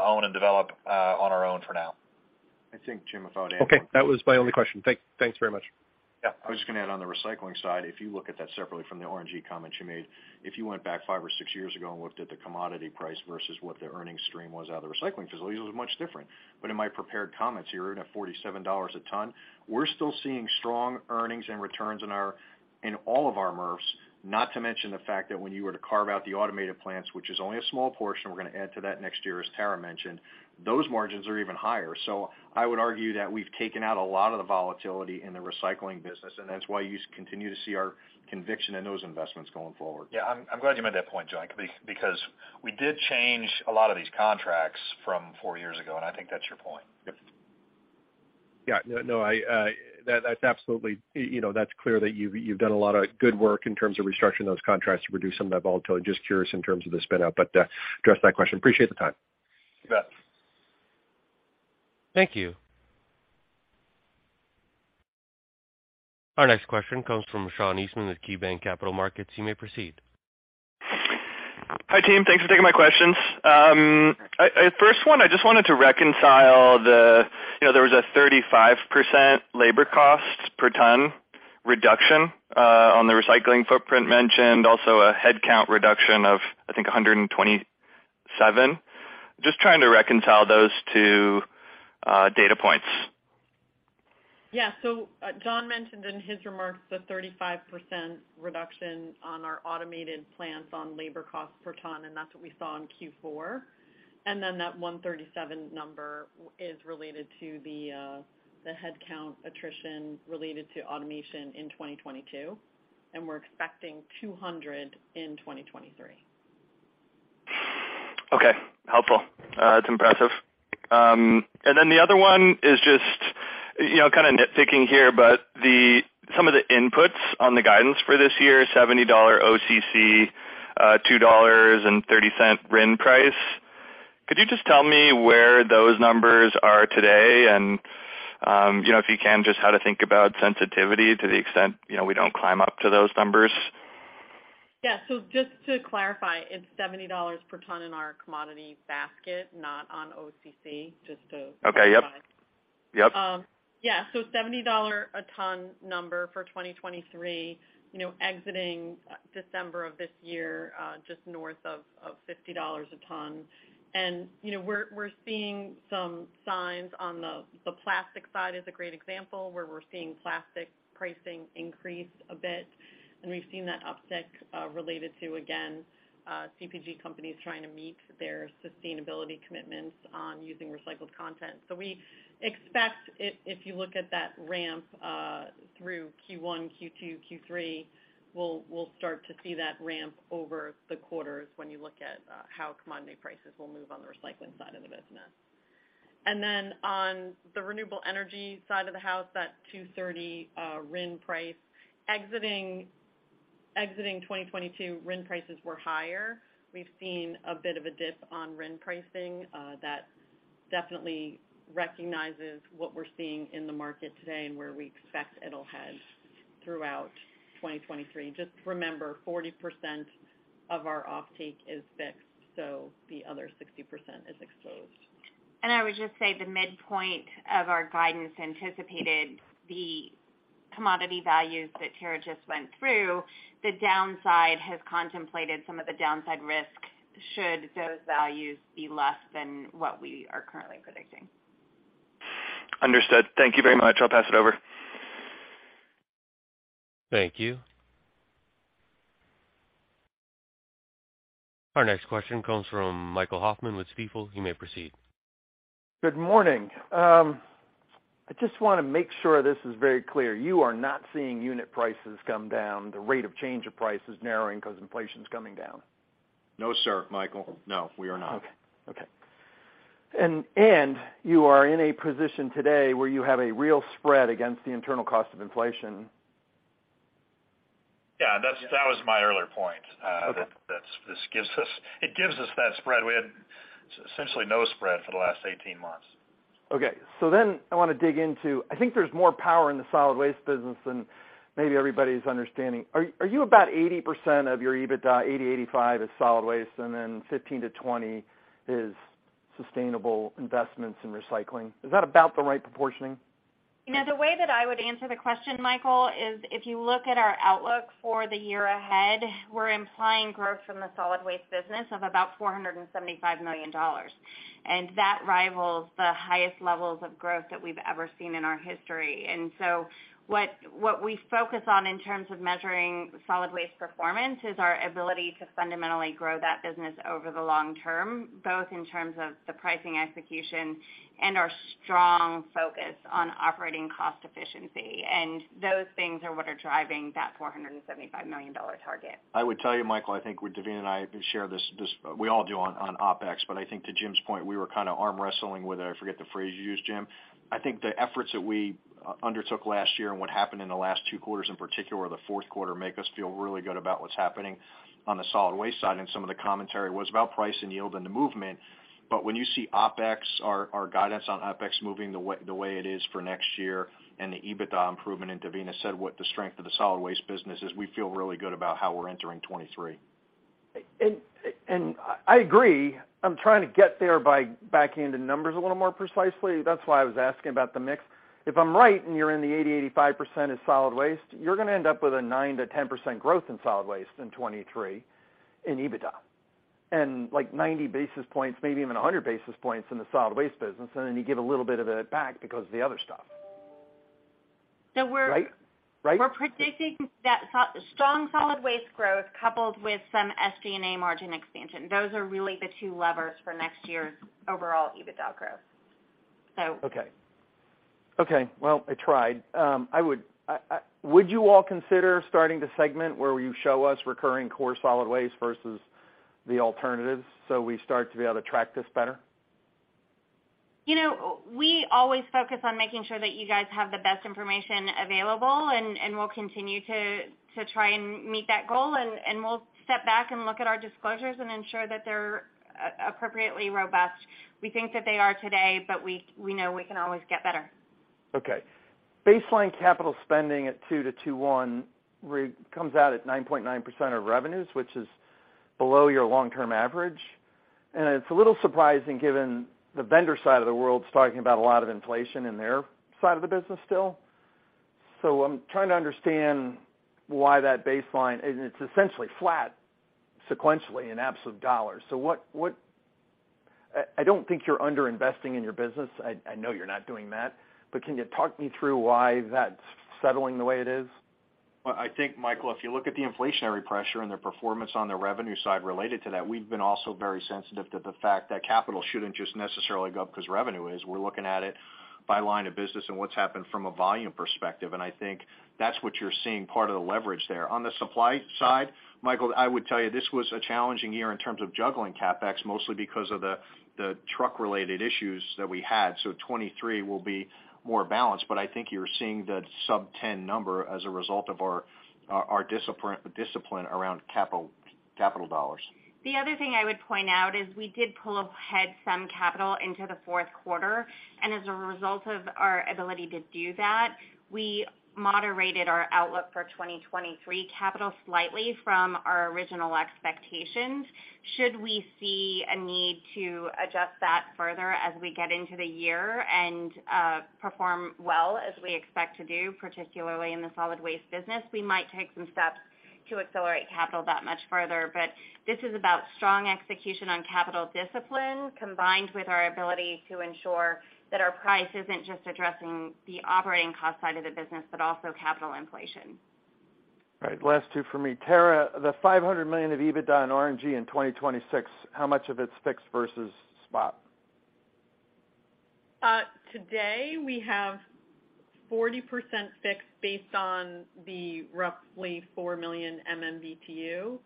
own and develop on our own for now. I think, Jim, if I would add on- Okay. That was my only question. Thanks very much. Yeah. I was just gonna add on the recycling side, if you look at that separately from the RNG comments you made, if you went back five years or six years ago and looked at the commodity price versus what the earnings stream was out of the recycling facilities, it was much different. In my prepared comments, you're in at $47 a ton. We're still seeing strong earnings and returns in all of our MRFs, not to mention the fact that when you were to carve out the automated plants, which is only a small portion, we're gonna add to that next year, as Tara mentioned, those margins are even higher. I would argue that we've taken out a lot of the volatility in the recycling business, and that's why you continue to see our conviction in those investments going forward. Yeah. I'm glad you made that point, John, because we did change a lot of these contracts from four years ago. I think that's your point. Yep. No, I. That's absolutely. You know, that's clear that you've done a lot of good work in terms of restructuring those contracts to reduce some of that volatility. Just curious in terms of the spin out, but address that question. Appreciate the time. You bet. Thank you. Our next question comes from Sean Eastman with KeyBanc Capital Markets. You may proceed. Hi, team. Thanks for taking my questions. first one, I just wanted to reconcile the, you know, there was a 35% labor cost per ton reduction, on the recycling footprint mentioned, also a headcount reduction of, I think, 127. Just trying to reconcile those two, data points. John mentioned in his remarks the 35% reduction on our automated plants on labor cost per ton, and that's what we saw in Q4. That 137 number is related to the headcount attrition related to automation in 2022, and we're expecting 200 in 2023. Okay. Helpful. It's impressive. The other one is just, you know, kinda nitpicking here, but some of the inputs on the guidance for this year, $70 OCC, $2.30 RIN price. Could you just tell me where those numbers are today? You know, if you can, just how to think about sensitivity to the extent, you know, we don't climb up to those numbers. Yeah. Just to clarify, it's $70 per ton in our commodity basket, not on OCC, just to clarify. Yeah, $70 a ton number for 2023, you know, exiting December of this year, just north of $50 a ton. You know, we're seeing some signs on the plastic side is a great example where we're seeing plastic pricing increase a bit, and we've seen that uptick related to, again, CPG companies trying to meet their sustainability commitments on using recycled content. We expect if you look at that ramp through Q1, Q2, Q3, we'll start to see that ramp over the quarters when you look at how commodity prices will move on the recycling side of the business. On the renewable energy side of the house, that $2.30 RIN price. Exiting 2022, RIN prices were higher. We've seen a bit of a dip on RIN pricing, that definitely recognizes what we're seeing in the market today and where we expect it'll head throughout 2023. Just remember, 40% of our offtake is fixed, so the other 60% is exposed. I would just say the midpoint of our guidance anticipated the commodity values that Tara just went through. The downside has contemplated some of the downside risk should those values be less than what we are currently predicting. Understood. Thank you very much. I'll pass it over. Thank you. Our next question comes from Michael Hoffman with Stifel. You may proceed. Good morning. I just wanna make sure this is very clear. You are not seeing unit prices come down, the rate of change of prices narrowing 'cause inflation's coming down. No, sir, Michael. No, we are not. Okay. Okay. You are in a position today where you have a real spread against the internal cost of inflation. Yeah, that was my earlier point. Okay. That's it gives us that spread. We had essentially no spread for the last 18 months. Okay. I wanna dig into... I think there's more power in the solid waste business than maybe everybody's understanding. Are you about 80% of your EBITDA, 80%-85% is solid waste and then 15%-20% is sustainable investments in recycling? Is that about the right proportioning? You know, the way that I would answer the question, Michael, is if you look at our outlook for the year ahead, we're implying growth from the solid waste business of about $475 million, that rivals the highest levels of growth that we've ever seen in our history. What we focus on in terms of measuring solid waste performance is our ability to fundamentally grow that business over the long term, both in terms of the pricing execution and our strong focus on operating cost efficiency. Those things are what are driving that $475 million target. I would tell you, Michael, I think with Devina and I share this. We all do on OpEx, but I think to Jim's point, we were kinda arm wrestling with it. I forget the phrase you used, Jim. I think the efforts that we undertook last year and what happened in the last two quarters, in particular the Q4, make us feel really good about what's happening on the solid waste side, and some of the commentary was about price and yield and the movement. When you see OpEx, our guidance on OpEx moving the way it is for next year and the EBITDA improvement, and Devina said what the strength of the solid waste business is, we feel really good about how we're entering 2023. I agree. I'm trying to get there by backing into numbers a little more precisely. That's why I was asking about the mix. If I'm right and you're in the 80%-85% of solid waste, you're gonna end up with a 9%-10% growth in solid waste in 2023 in EBITDA. Like 90 basis points, maybe even 100 basis points in the solid waste business, and then you give a little bit of it back because of the other stuff. So we're- Right? Right? We're predicting that strong solid waste growth coupled with some SG&A margin expansion. Those are really the two levers for next year's overall EBITDA growth. Okay. Well, I tried. Would you all consider starting to segment where you show us recurring core solid waste versus the alternatives, so we start to be able to track this better? You know, we always focus on making sure that you guys have the best information available, and we'll continue to try and meet that goal. We'll step back and look at our disclosures and ensure that they're appropriately robust. We think that they are today, but we know we can always get better. Okay. Baseline capital spending at two to two one comes out at 9.9% of revenues, which is below your long-term average. It's a little surprising given the vendor side of the world's talking about a lot of inflation in their side of the business still. I'm trying to understand why that baseline... It's essentially flat sequentially in absolute dollars. What... I don't think you're under-investing in your business. I know you're not doing that. Can you talk me through why that's settling the way it is? Well, I think, Michael, if you look at the inflationary pressure and their performance on the revenue side related to that, we've been also very sensitive to the fact that capital shouldn't just necessarily go up 'cause revenue is. We're looking at it by line of business and what's happened from a volume perspective, and I think that's what you're seeing part of the leverage there. On the supply side, Michael, I would tell you this was a challenging year in terms of juggling CapEx, mostly because of the truck-related issues that we had. 2023 will be more balanced, but I think you're seeing the sub 10 number as a result of our discipline around capital dollars. The other thing I would point out is we did pull ahead some capital into the Q4. As a result of our ability to do that, we moderated our outlook for 2023 capital slightly from our original expectations should we see a need to adjust that further as we get into the year and perform well as we expect to do, particularly in the solid waste business. We might take some steps to accelerate capital that much further, but this is about strong execution on capital discipline, combined with our ability to ensure that our price isn't just addressing the operating cost side of the business, but also capital inflation. All right. Last two for me. Tara, the $500 million of EBITDA on RNG in 2026, how much of it's fixed versus spot? Today, we have 40% fixed based on the roughly 4 million MMBtu.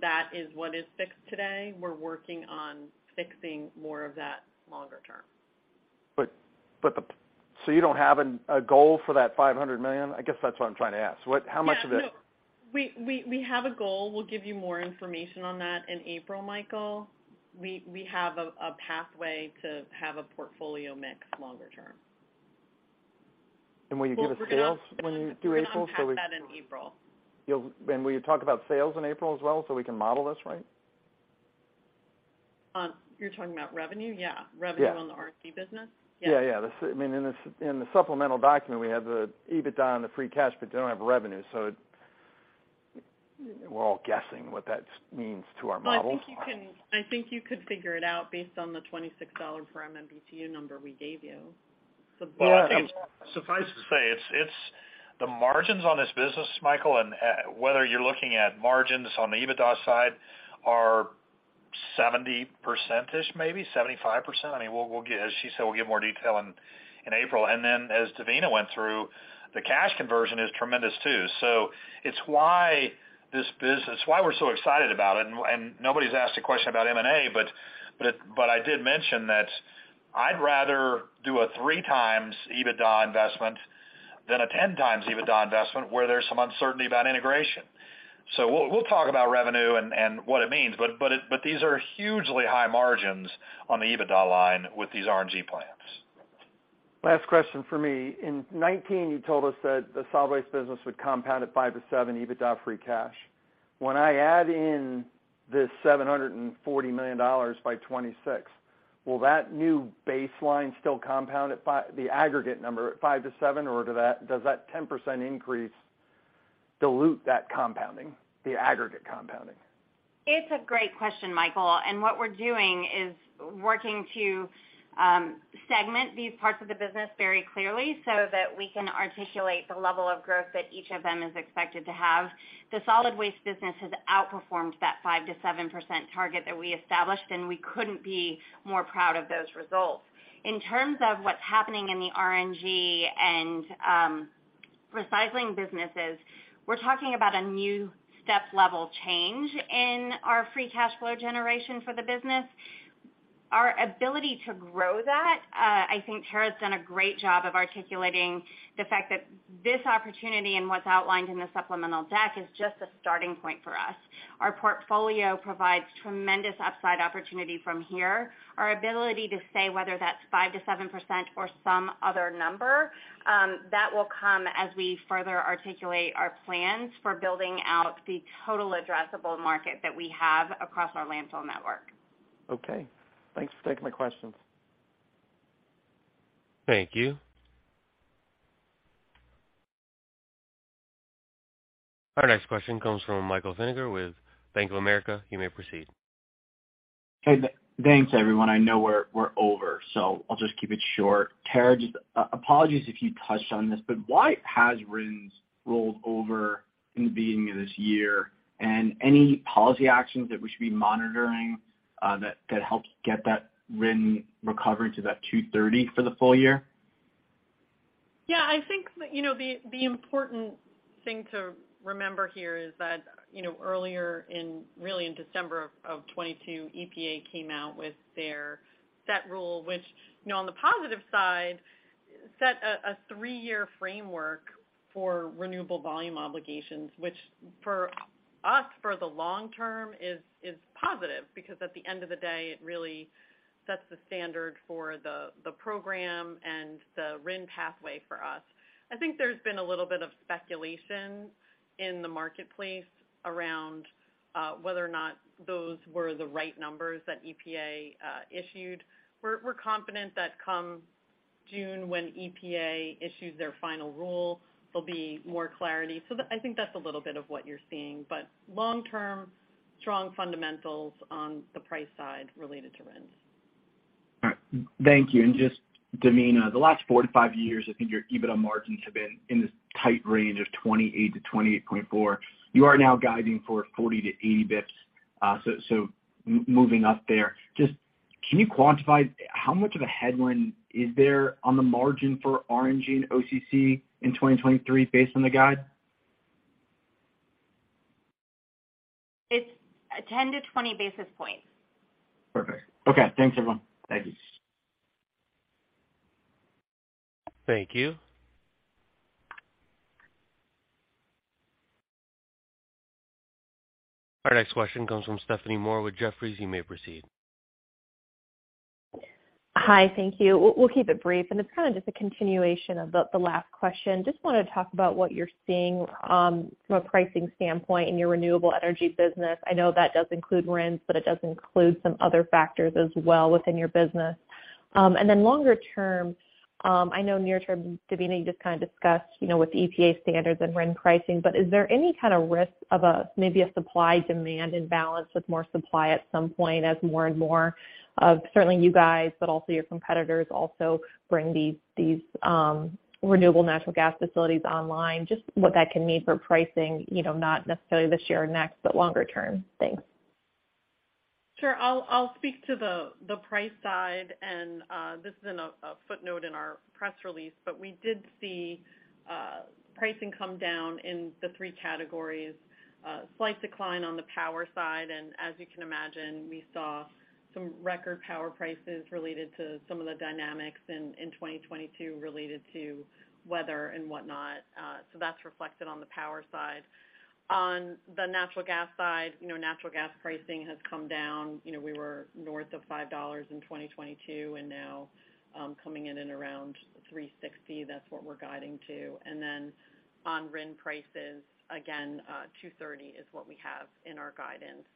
That is what is fixed today. We're working on fixing more of that longer term. You don't have a goal for that $500 million? I guess that's what I'm trying to ask. How much of it- Yeah, no, we have a goal. We'll give you more information on that in April, Michael. We have a pathway to have a portfolio mix longer term. Will you give us sales when you do April, so. We'll impact that in April. Will you talk about sales in April as well, so we can model this right? You're talking about revenue? Yeah. Yeah. Revenue on the RNG business? Yeah. Yeah, yeah. I mean, in the supplemental document, we have the EBITDA on the free cash, but don't have revenue. We're all guessing what that means to our model. I think you could figure it out based on the $26 per MMBtu number we gave you. Well, I think. Suffice to say it's. The margins on this business, Michael, whether you're looking at margins on the EBITDA side are 70%-ish, maybe 75%. I mean, we'll get. As she said, we'll give more detail in April. As Devina went through, the cash conversion is tremendous too. It's why this business, why we're so excited about it, and nobody's asked a question about M&A, but I did mention that I'd rather do a 3x EBITDA investment than a 10x EBITDA investment where there's some uncertainty about integration. We'll talk about revenue and what it means, but these are hugely high margins on the EBITDA line with these RNG plants. Last question for me. In 2019, you told us that the solid waste business would compound at 5%-7% EBITDA free cash. When I add in this $740 million by 2026, will that new baseline still compound at the aggregate number at 5%-7%, or does that 10% increase dilute that compounding, the aggregate compounding? It's a great question, Michael, and what we're doing is working to segment these parts of the business very clearly so that we can articulate the level of growth that each of them is expected to have. The solid waste business has outperformed that 5%-7% target that we established, and we couldn't be more proud of those results. In terms of what's happening in the RNG and recycling businesses, we're talking about a new step-level change in our free cash flow generation for the business. Our ability to grow that, I think Tara's done a great job of articulating the fact that this opportunity and what's outlined in the supplemental deck is just a starting point for us. Our portfolio provides tremendous upside opportunity from here. Our ability to say whether that's 5%-7% or some other number, that will come as we further articulate our plans for building out the total addressable market that we have across our landfill network. Okay. Thanks for taking my questions. Thank you. Our next question comes from Michael Feniger with Bank of America. You may proceed. Hey, thanks everyone. I know we're over, so I'll just keep it short. Tara, just apologies if you touched on this, but why has RINs rolled over in the beginning of this year? Any policy actions that we should be monitoring that help get that RIN recovery to that $2.30 for the full year? Yeah, I think that, you know, the important thing to remember here is that, you know, really in December of 2022, EPA came out with their set rule, which, you know, on the positive side, set a three-year framework for Renewable Volume Obligations, which for us, for the long term is positive, because at the end of the day, it really sets the standard for the program and the RIN pathway for us. I think there's been a little bit of speculation in the marketplace around whether or not those were the right numbers that EPA issued. We're confident that come June, when EPA issues their final rule, there'll be more clarity. I think that's a little bit of what you're seeing, but long term, strong fundamentals on the price side related to RINs. All right. Thank you. Just, Devina, the last 4-5 years, I think your EBITDA margins have been in this tight range of 28-28.4. You are now guiding for 40-80 BPS, so, moving up there. Just, can you quantify how much of a headwind is there on the margin for RNG and OCC in 2023 based on the guide? It's 10 basis points-20 basis points. Perfect. Okay. Thanks, everyone. Thank you. Thank you. Our next question comes from Stephanie Moore with Jefferies. You may proceed. Hi, thank you. We'll keep it brief. Just wanna talk about what you're seeing from a pricing standpoint in your renewable energy business. I know that does include RINs. It does include some other factors as well within your business. Longer term, I know near term, Devina, you just kind of discussed, you know, with the EPA standards and RIN pricing. Is there any kind of risk of a maybe a supply-demand imbalance with more supply at some point as more and more of certainly you guys, but also your competitors also bring these renewable natural gas facilities online? Just what that can mean for pricing, you know, not necessarily this year or next, but longer term. Thanks. Sure. I'll speak to the price side, and this is in a footnote in our press release, but we did see pricing come down in the three categories. Slight decline on the power side. As you can imagine, we saw some record power prices related to some of the dynamics in 2022 related to weather and whatnot. So that's reflected on the power side. On the natural gas side, you know, natural gas pricing has come down. You know, we were north of $5 in 2022, and now coming in at around $3.60. That's what we're guiding to. Then on RIN prices, again, $2.30 is what we have in our guidance.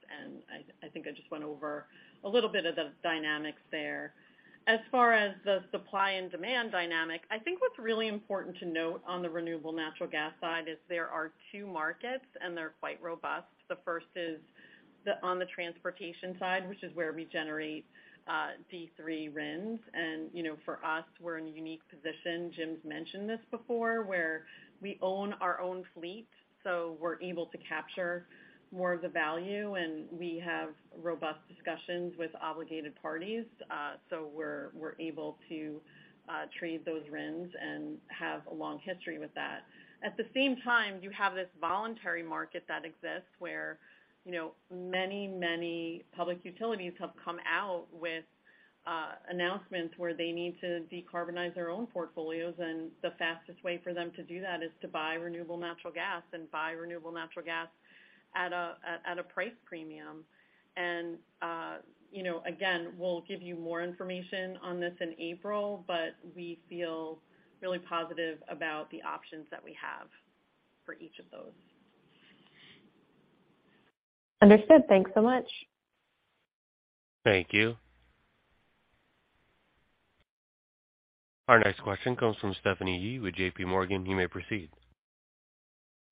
I think I just went over a little bit of the dynamics there. As far as the supply and demand dynamic, I think what's really important to note on the renewable natural gas side is there are two markets, and they're quite robust. The first is on the transportation side, which is where we generate D3 RINs. You know, for us, we're in a unique position, Jim's mentioned this before, where we own our own fleet, so we're able to capture more of the value, and we have robust discussions with obligated parties, so we're able to trade those RINs and have a long history with that. At the same time, you have this voluntary market that exists where, you know, many public utilities have come out with announcements where they need to decarbonize their own portfolios, and the fastest way for them to do that is to buy renewable natural gas and buy renewable natural gas at a price premium. You know, again, we'll give you more information on this in April, but we feel really positive about the options that we have for each of those. Understood. Thanks so much. Thank you. Our next question comes from Stephanie Yee with JPMorgan. You may proceed.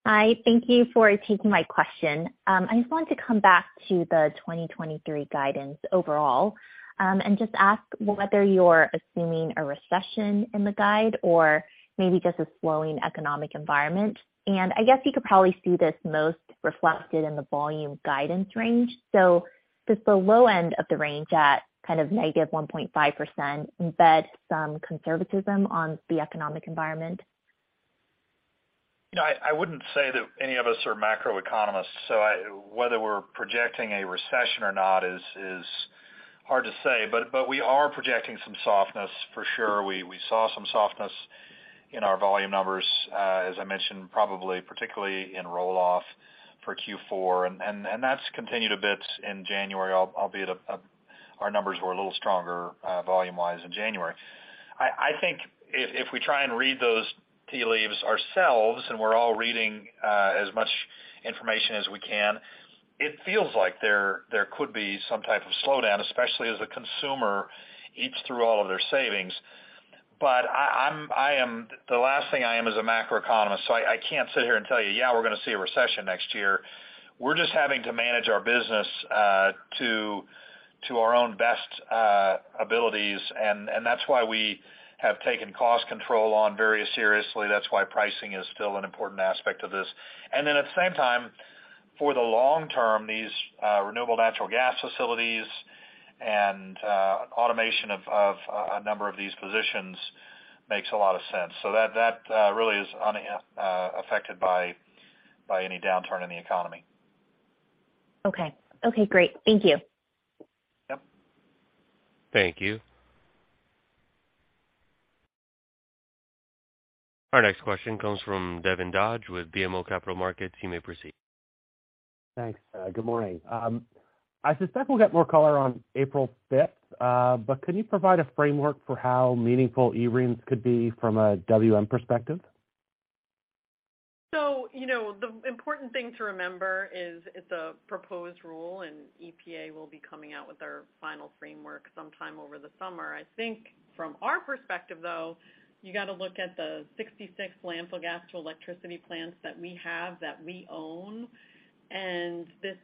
Hi. Thank you for taking my question. I just wanted to come back to the 2023 guidance overall, and just ask whether you're assuming a recession in the guide or maybe just a slowing economic environment. I guess you could probably see this most reflected in the volume guidance range. Does the low end of the range at kind of -1.5% embed some conservatism on the economic environment? You know, I wouldn't say that any of us are macroeconomists, so whether we're projecting a recession or not is hard to say. We are projecting some softness, for sure. We saw some softness in our volume numbers, as I mentioned, probably particularly in roll-off for Q4. That's continued a bit in January, albeit, our numbers were a little stronger volume-wise in January. I think if we try and read those tea leaves ourselves, and we're all reading as much information as we can, it feels like there could be some type of slowdown, especially as a consumer eats through all of their savings. I am the last thing I am is a macroeconomist, so I can't sit here and tell you, "Yeah, we're gonna see a recession next year." We're just having to manage our business to our own best abilities. That's why we have taken cost control on very seriously. That's why pricing is still an important aspect of this. Then at the same time, for the long term, these renewable natural gas facilities and automation of a number of these positions makes a lot of sense. That really is affected by any downturn in the economy. Okay. Okay, great. Thank you. Yep. Thank you. Our next question comes from Devin Dodge with BMO Capital Markets. You may proceed. Thanks. Good morning. I suspect we'll get more color on April 5, can you provide a framework for how meaningful eRINs could be from a WM perspective? You know, the important thing to remember is it's a proposed rule, and EPA will be coming out with their final framework sometime over the summer. I think from our perspective, though, you got to look at the 66 landfill gas to electricity plants that we have, that we own. This,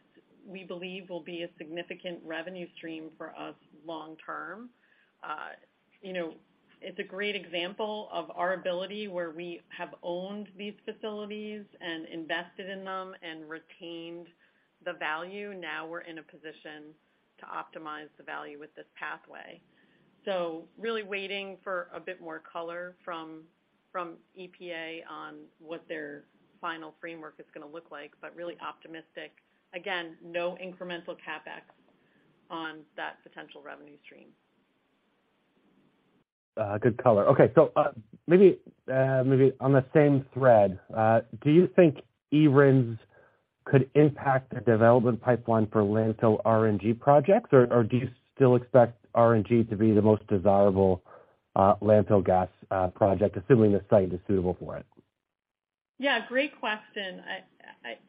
we believe, will be a significant revenue stream for us long term. You know, it's a great example of our ability where we have owned these facilities and invested in them and retained the value. Now we're in a position to optimize the value with this pathway. Really waiting for a bit more color from EPA on what their final framework is gonna look like, but really optimistic. Again, no incremental CapEx on that potential revenue stream. so maybe on the same thread, do you think eRINs could impact the development pipeline for landfill RNG projects? Or do you still expect RNG to be the most desirable landfill gas project, assuming the site is suitable for it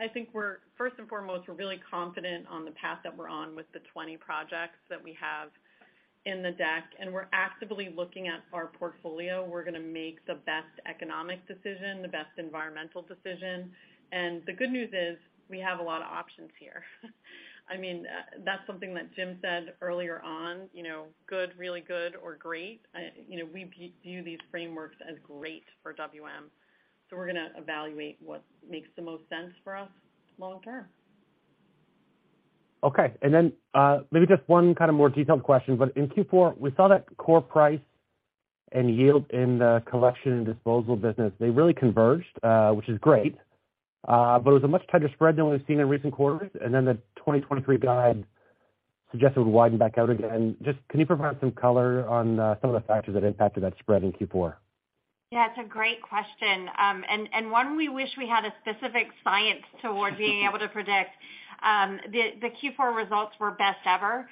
I think we're, first and foremost, we're really confident on the path that we're on with the 20 projects that we have in the deck. We're actively looking at our portfolio. We're gonna make the best economic decision, the best environmental decision. The good news is we have a lot of options here. I mean, that's something that Jim said earlier on, you know, good, really good or great. You know, we view these frameworks as great for WM. We're gonna evaluate what makes the most sense for us long term. Okay. Maybe just one kind of more detailed question, in Q4, we saw that core price and yield in the collection and disposal business, they really converged, which is great. It was a much tighter spread than we've seen in recent quarters, the 2023 guide suggested it would widen back out again. Just can you provide some color on, some of the factors that impacted that spread in Q4? Yeah, it's a great question, and one we wish we had a specific science toward being able to predict. The Q4 results were best ever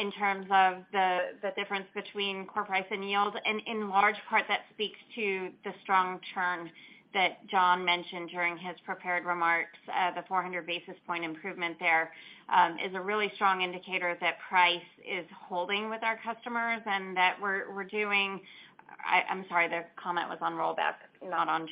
in terms of the difference between core price and yield. In large part, that speaks to the strong churn that John mentioned during his prepared remarks. The 400 basis point improvement there is a really strong indicator that price is holding with our customers and that we're doing. I'm sorry, the comment was on rollback, not on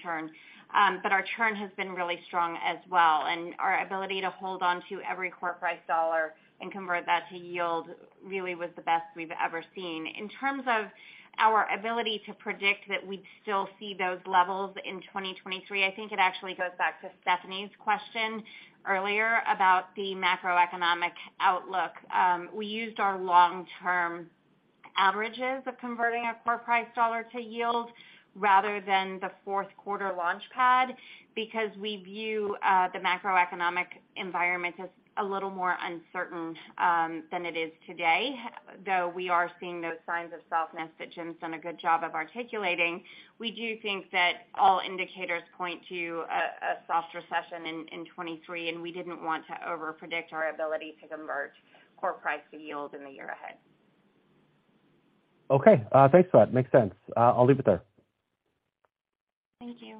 churn. Our churn has been really strong as well, and our ability to hold on to every core price dollar and convert that to yield really was the best we've ever seen. In terms of our ability to predict that we'd still see those levels in 2023, I think it actually goes back to Stephanie's question earlier about the macroeconomic outlook. We used our long-term averages of converting our core price dollar to yield rather than the Q4 launch pad because we view the macroeconomic environment as a little more uncertain than it is today, though we are seeing those signs of softness that Jim's done a good job of articulating. We do think that all indicators point to a soft recession in 2023. We didn't want to over-predict our ability to convert core price to yield in the year ahead. Okay. Thanks for that. Makes sense. I'll leave it there. Thank you.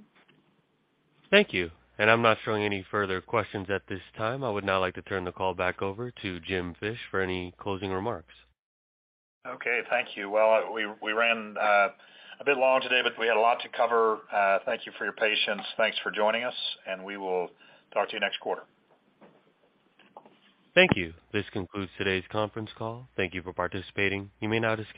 Thank you. I'm not showing any further questions at this time. I would now like to turn the call back over to Jim Fish for any closing remarks. Okay. Thank you. Well, we ran a bit long today, but we had a lot to cover. Thank you for your patience. Thanks for joining us, and we will talk to you next quarter. Thank you. This concludes today's conference call. Thank you for participating. You may now disconnect.